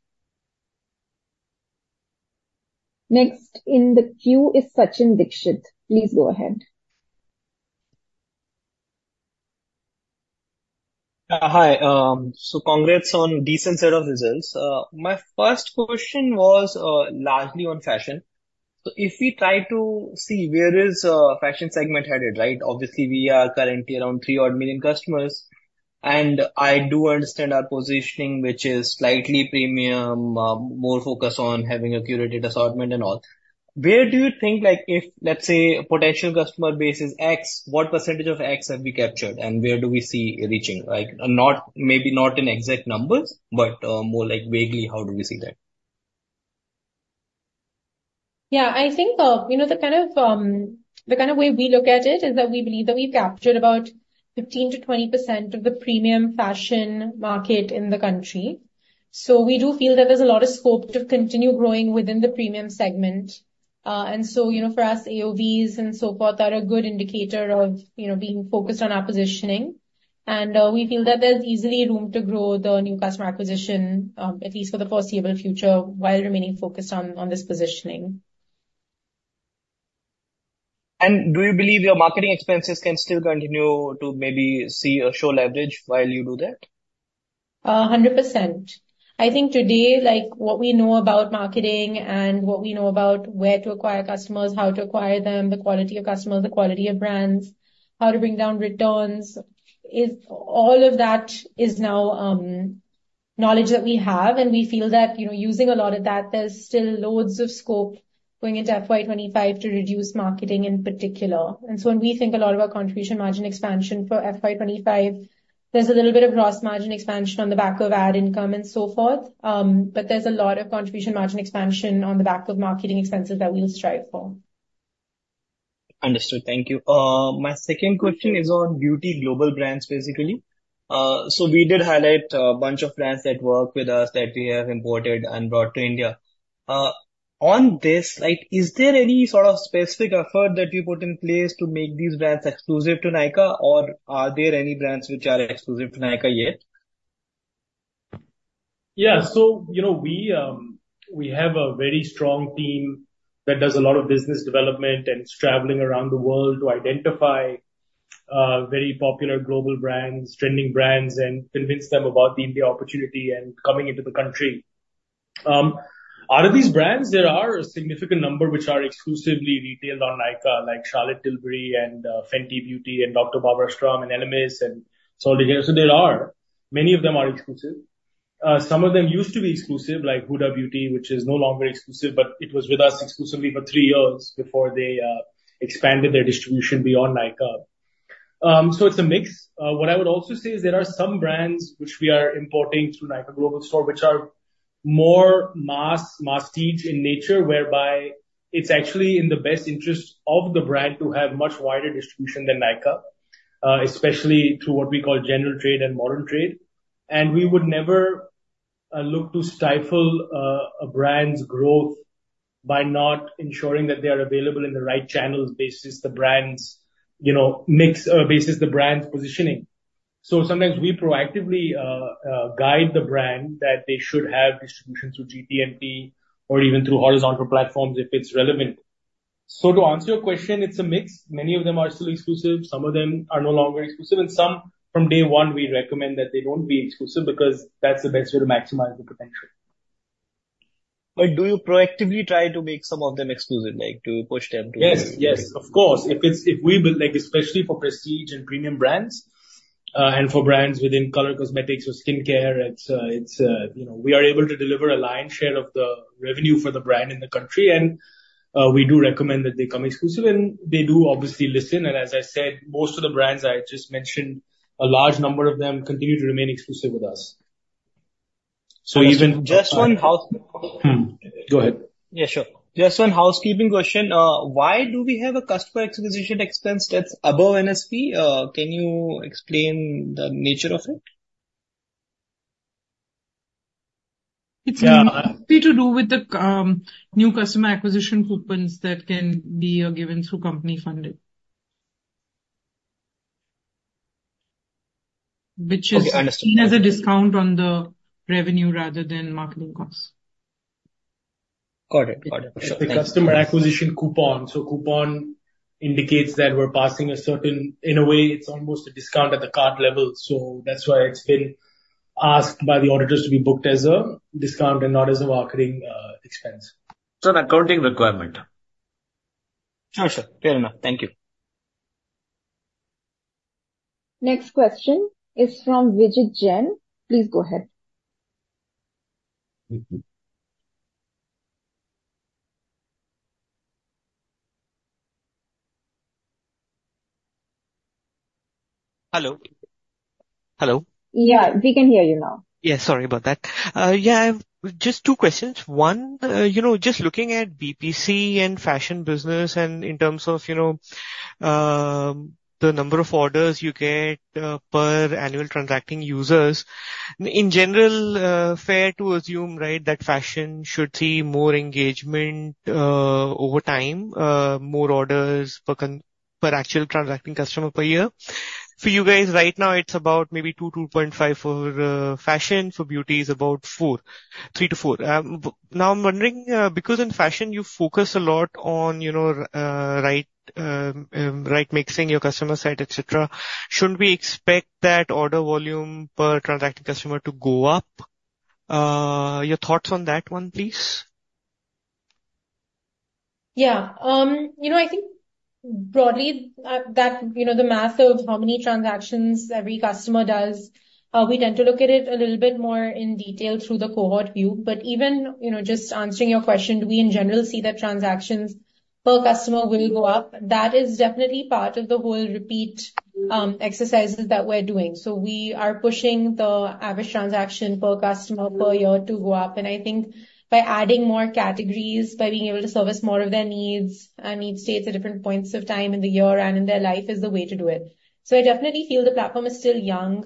Next in the queue is Sachin Dixit. Please go ahead. Hi. So congrats on decent set of results. My first question was largely on fashion. So if we try to see where is fashion segment headed, right? Obviously, we are currently around 3 odd million customers, and I do understand our positioning, which is slightly premium, more focused on having a curated assortment and all. Where do you think, like, if, let's say, potential customer base is X, what percentage of X have we captured, and where do we see it reaching? Like, not, maybe not in exact numbers, but more like vaguely, how do we see that? Yeah, I think, you know, the kind of way we look at it is that we believe that we've captured about 15%-20% of the premium fashion market in the country. So we do feel that there's a lot of scope to continue growing within the premium segment. And so, you know, for us, AOVs and so forth are a good indicator of, you know, being focused on our positioning. And, we feel that there's easily room to grow the new customer acquisition, at least for the foreseeable future, while remaining focused on this positioning. Do you believe your marketing expenses can still continue to maybe see or show leverage while you do that? 100%. I think today, like, what we know about marketing and what we know about where to acquire customers, how to acquire them, the quality of customers, the quality of brands, how to bring down returns, is... All of that is now knowledge that we have, and we feel that, you know, using a lot of that, there's still loads of scope going into FY 2025 to reduce marketing in particular. And so when we think a lot about contribution margin expansion for FY 2025, there's a little bit of gross margin expansion on the back of ad income and so forth. But there's a lot of contribution margin expansion on the back of marketing expenses that we'll strive for. Understood. Thank you. My second question is on beauty global brands, basically. So we did highlight a bunch of brands that work with us, that we have imported and brought to India. On this, like, is there any sort of specific effort that you put in place to make these brands exclusive to Nykaa, or are there any brands which are exclusive to Nykaa yet? Yeah. So, you know, we have a very strong team that does a lot of business development and is traveling around the world to identify very popular global brands, trending brands, and convince them about the India opportunity and coming into the country. Out of these brands, there are a significant number which are exclusively retailed on Nykaa, like Charlotte Tilbury and Fenty Beauty and Dr. Barbara Sturm and Elemis and so on. So there are many of them are exclusive. Some of them used to be exclusive, like Huda Beauty, which is no longer exclusive, but it was with us exclusively for three years before they expanded their distribution beyond Nykaa. So it's a mix. What I would also say is there are some brands which we are importing through Nykaa Global Store, which are more mass, prestige in nature, whereby it's actually in the best interest of the brand to have much wider distribution than Nykaa, especially through what we call general trade and modern trade. And we would never look to stifle a brand's growth by not ensuring that they are available in the right channels basis the brand's, you know, mix, basis the brand's positioning. So sometimes we proactively guide the brand that they should have distribution through GT and MT or even through horizontal platforms, if it's relevant. So to answer your question, it's a mix. Many of them are still exclusive, some of them are no longer exclusive, and some from day one, we recommend that they don't be exclusive because that's the best way to maximize the potential. But do you proactively try to make some of them exclusive, like, to push them to? Yes, yes, of course. If we build, like, especially for prestige and premium brands, and for brands within color cosmetics or skincare, it's, you know, we are able to deliver a lion's share of the revenue for the brand in the country, and we do recommend that they come exclusive, and they do obviously listen. And as I said, most of the brands I just mentioned, a large number of them continue to remain exclusive with us. So even- Just one house- Mm, go ahead. Yeah, sure. Just one housekeeping question. Why do we have a customer acquisition expense that's above NSP? Can you explain the nature of it? It's mainly to do with the new customer acquisition coupons that can be given through company funding. Which is- Okay, understood. Seen as a discount on the revenue rather than marketing costs. Got it. Got it. The customer acquisition coupon. So coupon indicates that we're passing a certain... In a way, it's almost a discount at the cart level, so that's why it's been asked by the auditors to be booked as a discount and not as a marketing expense. It's an accounting requirement. Sure, sure. Fair enough. Thank you. Next question is from Vijit Jain. Please go ahead. Hello? Hello. Yeah, we can hear you now. Yeah, sorry about that. Yeah, just two questions. One, you know, just looking at BPC and fashion business, and in terms of, you know, the number of orders you get, per annual transacting users, in general, fair to assume, right, that fashion should see more engagement, over time, more orders per actual transacting customer per year. For you guys, right now it's about maybe 2-2.5 for fashion. For beauty is about 4, 3-4. Now I'm wondering, because in fashion you focus a lot on, you know, right, mixing your customer set, et cetera. Should we expect that order volume per transacting customer to go up? Your thoughts on that one, please? Yeah. You know, I think broadly, that, you know, the math of how many transactions every customer does, we tend to look at it a little bit more in detail through the cohort view. But even, you know, just answering your question, do we in general see that transactions per customer will go up? That is definitely part of the whole repeat exercises that we're doing. So we are pushing the average transaction per customer per year to go up, and I think by adding more categories, by being able to service more of their needs and needs states at different points of time in the year and in their life, is the way to do it. So I definitely feel the platform is still young.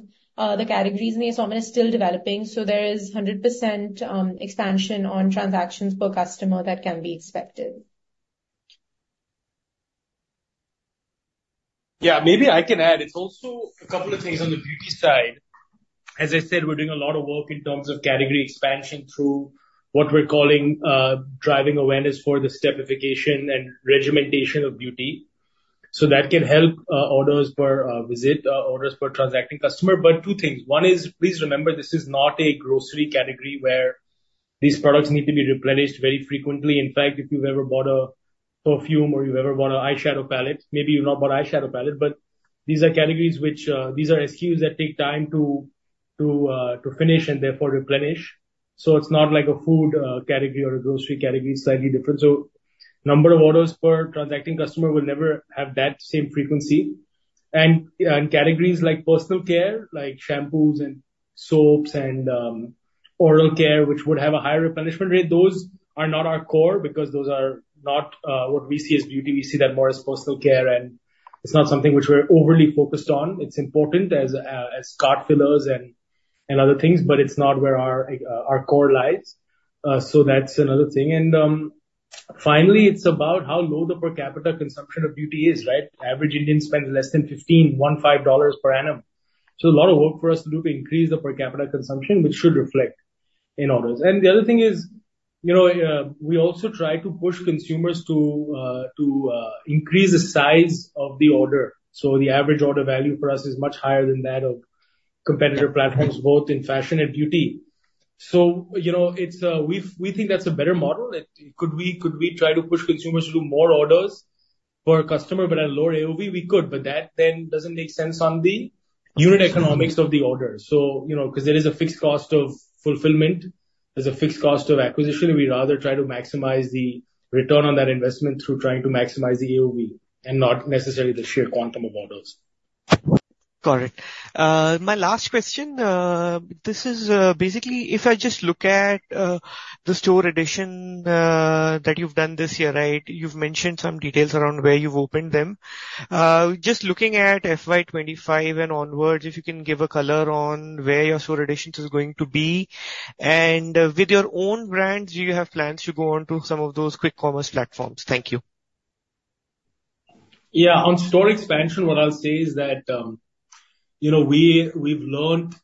The categories Nykaa is still developing, so there is 100% expansion on transactions per customer that can be expected. Yeah. Maybe I can add, it's also a couple of things on the beauty side. As I said, we're doing a lot of work in terms of category expansion through what we're calling, driving awareness for the stepification and regimentation of beauty. So that can help, orders per, visit, orders per transacting customer. But two things. One is, please remember, this is not a grocery category where these products need to be replenished very frequently. In fact, if you've ever bought a perfume or you've ever bought an eyeshadow palette, maybe you've not bought eyeshadow palette, but these are categories which, these are SKUs that take time to, to, to finish and therefore replenish. So it's not like a food, category or a grocery category, it's slightly different. So number of orders per transacting customer will never have that same frequency. Categories like personal care, like shampoos and soaps and oral care, which would have a higher replenishment rate, those are not our core, because those are not what we see as beauty. We see that more as personal care, and it's not something which we're overly focused on. It's important as cart fillers and other things, but it's not where our core lies. So that's another thing. And finally, it's about how low the per capita consumption of beauty is, right? Average Indian spends less than $15 per annum. So a lot of work for us to do to increase the per capita consumption, which should reflect in orders. And the other thing is, you know, we also try to push consumers to increase the size of the order. So the average order value for us is much higher than that of competitor platforms, both in fashion and beauty. So, you know, it's, we think that's a better model, that we could try to push consumers to do more orders per customer but at a lower AOV? We could, but that then doesn't make sense on the unit economics of the order. So, you know, 'cause there is a fixed cost of fulfillment, there's a fixed cost of acquisition, and we'd rather try to maximize the return on that investment through trying to maximize the AOV and not necessarily the sheer quantum of orders. Got it. My last question, this is basically, if I just look at the store addition that you've done this year, right? You've mentioned some details around where you've opened them. Just looking at FY 2025 and onwards, if you can give a color on where your store additions is going to be. With your own brands, do you have plans to go on to some of those quick commerce platforms? Thank you. Yeah. On store expansion, what I'll say is that, you know, we've learned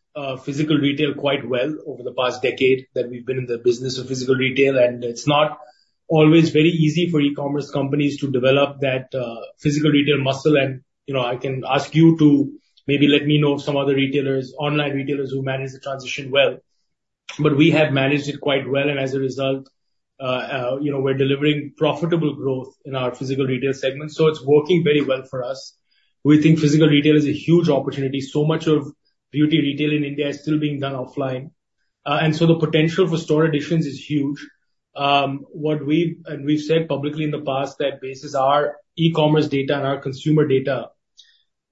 physical retail quite well over the past decade that we've been in the business of physical retail, and it's not always very easy for e-commerce companies to develop that physical retail muscle. And, you know, I can ask you to maybe let me know some other retailers, online retailers who manage the transition well. But we have managed it quite well, and as a result, you know, we're delivering profitable growth in our physical retail segment, so it's working very well for us. We think physical retail is a huge opportunity. So much of beauty retail in India is still being done offline, and so the potential for store additions is huge. What we've... We've said publicly in the past that basis our e-commerce data and our consumer data,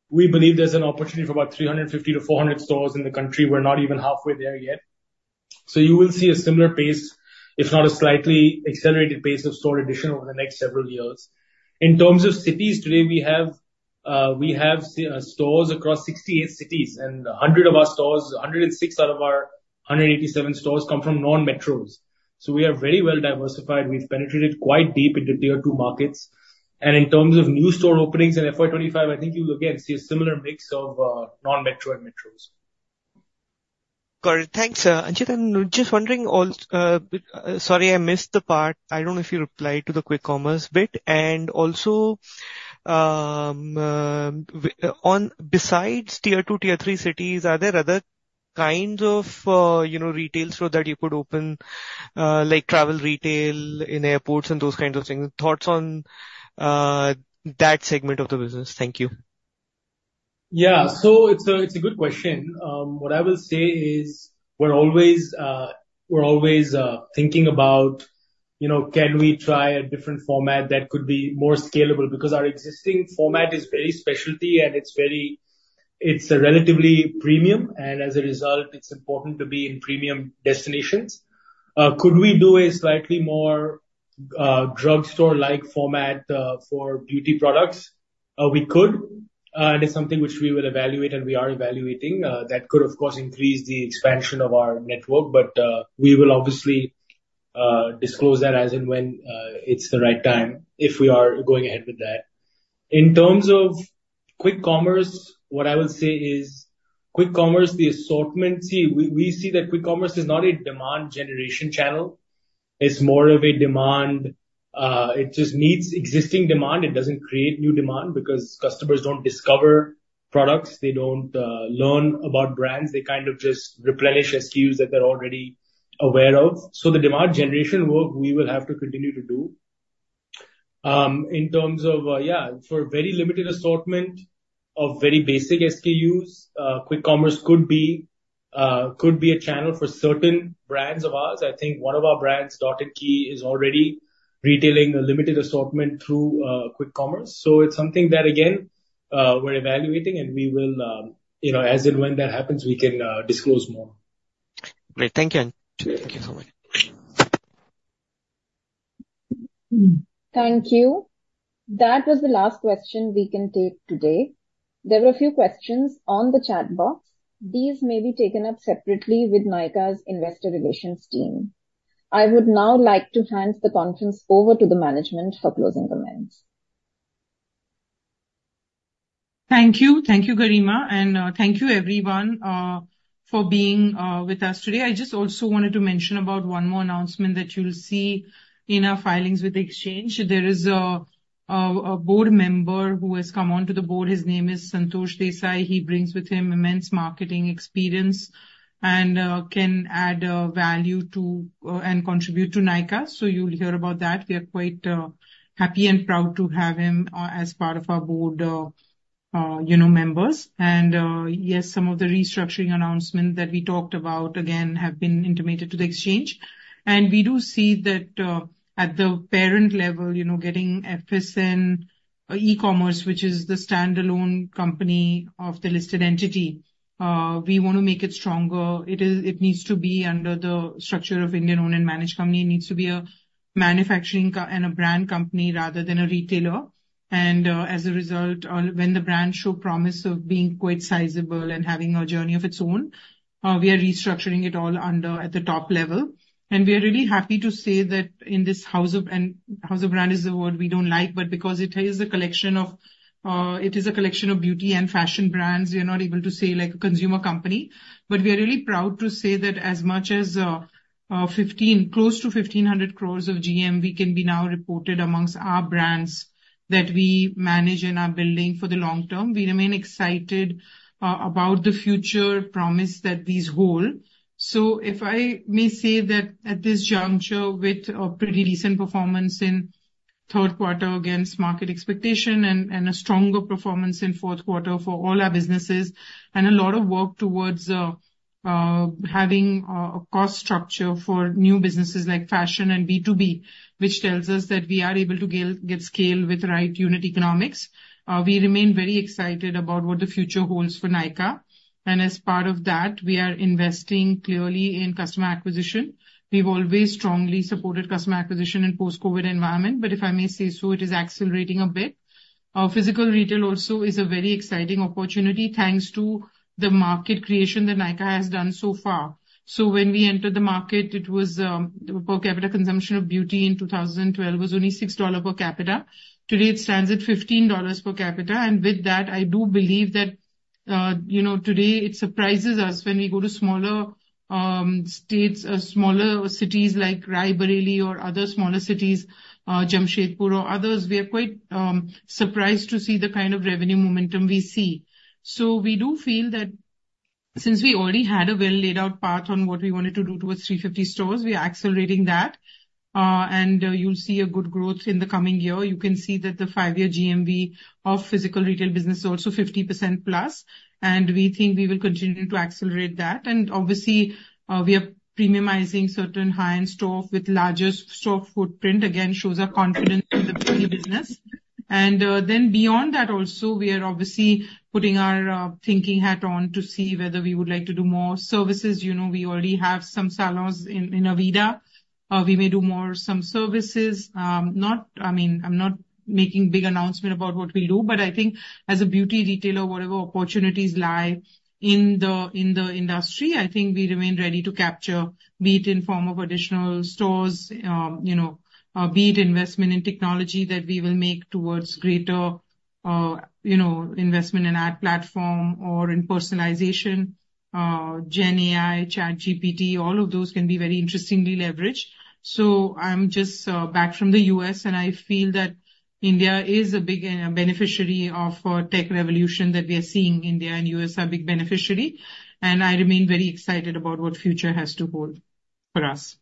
we believe there's an opportunity for about 350-400 stores in the country. We're not even halfway there yet. You will see a similar pace, if not a slightly accelerated pace of store addition over the next several years. In terms of cities, today we have stores across 68 cities, and 100 of our stores, 106 out of our 187 stores come from non-metros. So we are very well diversified. We've penetrated quite deep into tier 2 markets. In terms of new store openings in FY 2025, I think you'll again see a similar mix of non-metro and metros. Got it. Thanks, Anchit, and just wondering also, sorry, I missed the part. I don't know if you replied to the quick commerce bit. And also on besides tier 2, tier 3 cities, are there other kinds of, you know, retail store that you could open, like travel retail in airports and those kinds of things? Thoughts on that segment of the business. Thank you. Yeah. So it's a good question. What I will say is, we're always thinking about, you know, can we try a different format that could be more scalable? Because our existing format is very specialty, and it's very, it's relatively premium, and as a result, it's important to be in premium destinations. Could we do a slightly more drugstore-like format for beauty products? We could, and it's something which we will evaluate, and we are evaluating. That could, of course, increase the expansion of our network, but we will obviously disclose that as and when it's the right time, if we are going ahead with that. In terms of quick commerce, what I will say is, quick commerce, the assortment... See, we, we see that quick commerce is not a demand generation channel; it's more of a demand. It just meets existing demand, it doesn't create new demand, because customers don't discover products, they don't learn about brands. They kind of just replenish SKUs that they're already aware of. So the demand generation work we will have to continue to do. In terms of, yeah, for very limited assortment of very basic SKUs, quick commerce could be, could be a channel for certain brands of ours. I think one of our brands, Dot & Key, is already retailing a limited assortment through quick commerce. So it's something that, again, we're evaluating, and we will, you know, as and when that happens, we can disclose more. Great. Thank you, and thank you so much. Thank you. That was the last question we can take today. There were a few questions on the chat box. These may be taken up separately with Nykaa's investor relations team. I would now like to hand the conference over to the management for closing comments. Thank you. Thank you, Garima, and thank you everyone for being with us today. I just also wanted to mention about one more announcement that you'll see in our filings with Exchange. There is a board member who has come onto the board. His name is Santosh Desai. He brings with him immense marketing experience, and can add value to and contribute to Nykaa. So you'll hear about that. We are quite happy and proud to have him as part of our board, you know, members. And yes, some of the restructuring announcement that we talked about, again, have been intimated to the Exchange. And we do see that at the parent level, you know, getting FSN E-Commerce, which is the standalone company of the listed entity, we want to make it stronger. It needs to be under the structure of Indian-owned and managed company. It needs to be a manufacturing and a brand company rather than a retailer. And, as a result, when the brand show promise of being quite sizable and having a journey of its own, we are restructuring it all under at the top level. And we are really happy to say that in this house of... and house of brand is a word we don't like, but because it is a collection of, it is a collection of beauty and fashion brands, we are not able to say, like, a consumer company. But we are really proud to say that as much as close to 1,500 crores of GMV can be now reported amongst our brands that we manage and are building for the long term. We remain excited about the future promise that these hold. So if I may say that at this juncture, with a pretty decent performance in third quarter against market expectation and a stronger performance in fourth quarter for all our businesses, and a lot of work towards having a cost structure for new businesses like fashion and B2B, which tells us that we are able to get scale with the right unit economics, we remain very excited about what the future holds for Nykaa. And as part of that, we are investing clearly in customer acquisition. We've always strongly supported customer acquisition in post-COVID environment, but if I may say so, it is accelerating a bit. Physical retail also is a very exciting opportunity, thanks to the market creation that Nykaa has done so far. So when we entered the market, it was per capita consumption of beauty in 2012 was only $6 per capita. Today, it stands at $15 per capita, and with that, I do believe that, you know, today it surprises us when we go to smaller states or smaller cities like Raebareli or other smaller cities, Jamshedpur or others, we are quite surprised to see the kind of revenue momentum we see. So we do feel that since we already had a well-laid-out path on what we wanted to do towards 350 stores, we are accelerating that. And you'll see a good growth in the coming year. You can see that the five-year GMV of physical retail business is also 50%+, and we think we will continue to accelerate that. Obviously, we are premiumizing certain high-end store with larger store footprint, again, shows our confidence in the business. Then beyond that also, we are obviously putting our thinking hat on to see whether we would like to do more services. You know, we already have some salons in Aveda. We may do more services. I mean, I'm not making big announcement about what we'll do, but I think as a beauty retailer, whatever opportunities lie in the industry, I think we remain ready to capture, be it in form of additional stores, you know, be it investment in technology that we will make towards greater, you know, investment in ad platform or in personalization, GenAI, ChatGPT, all of those can be very interestingly leveraged. I'm just back from the U.S., and I feel that India is a big beneficiary of tech revolution that we are seeing. India and U.S. are big beneficiary, and I remain very excited about what future has to hold for us.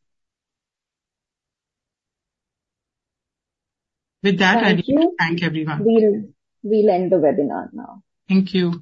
With that, I thank everyone. We'll end the webinar now. Thank you.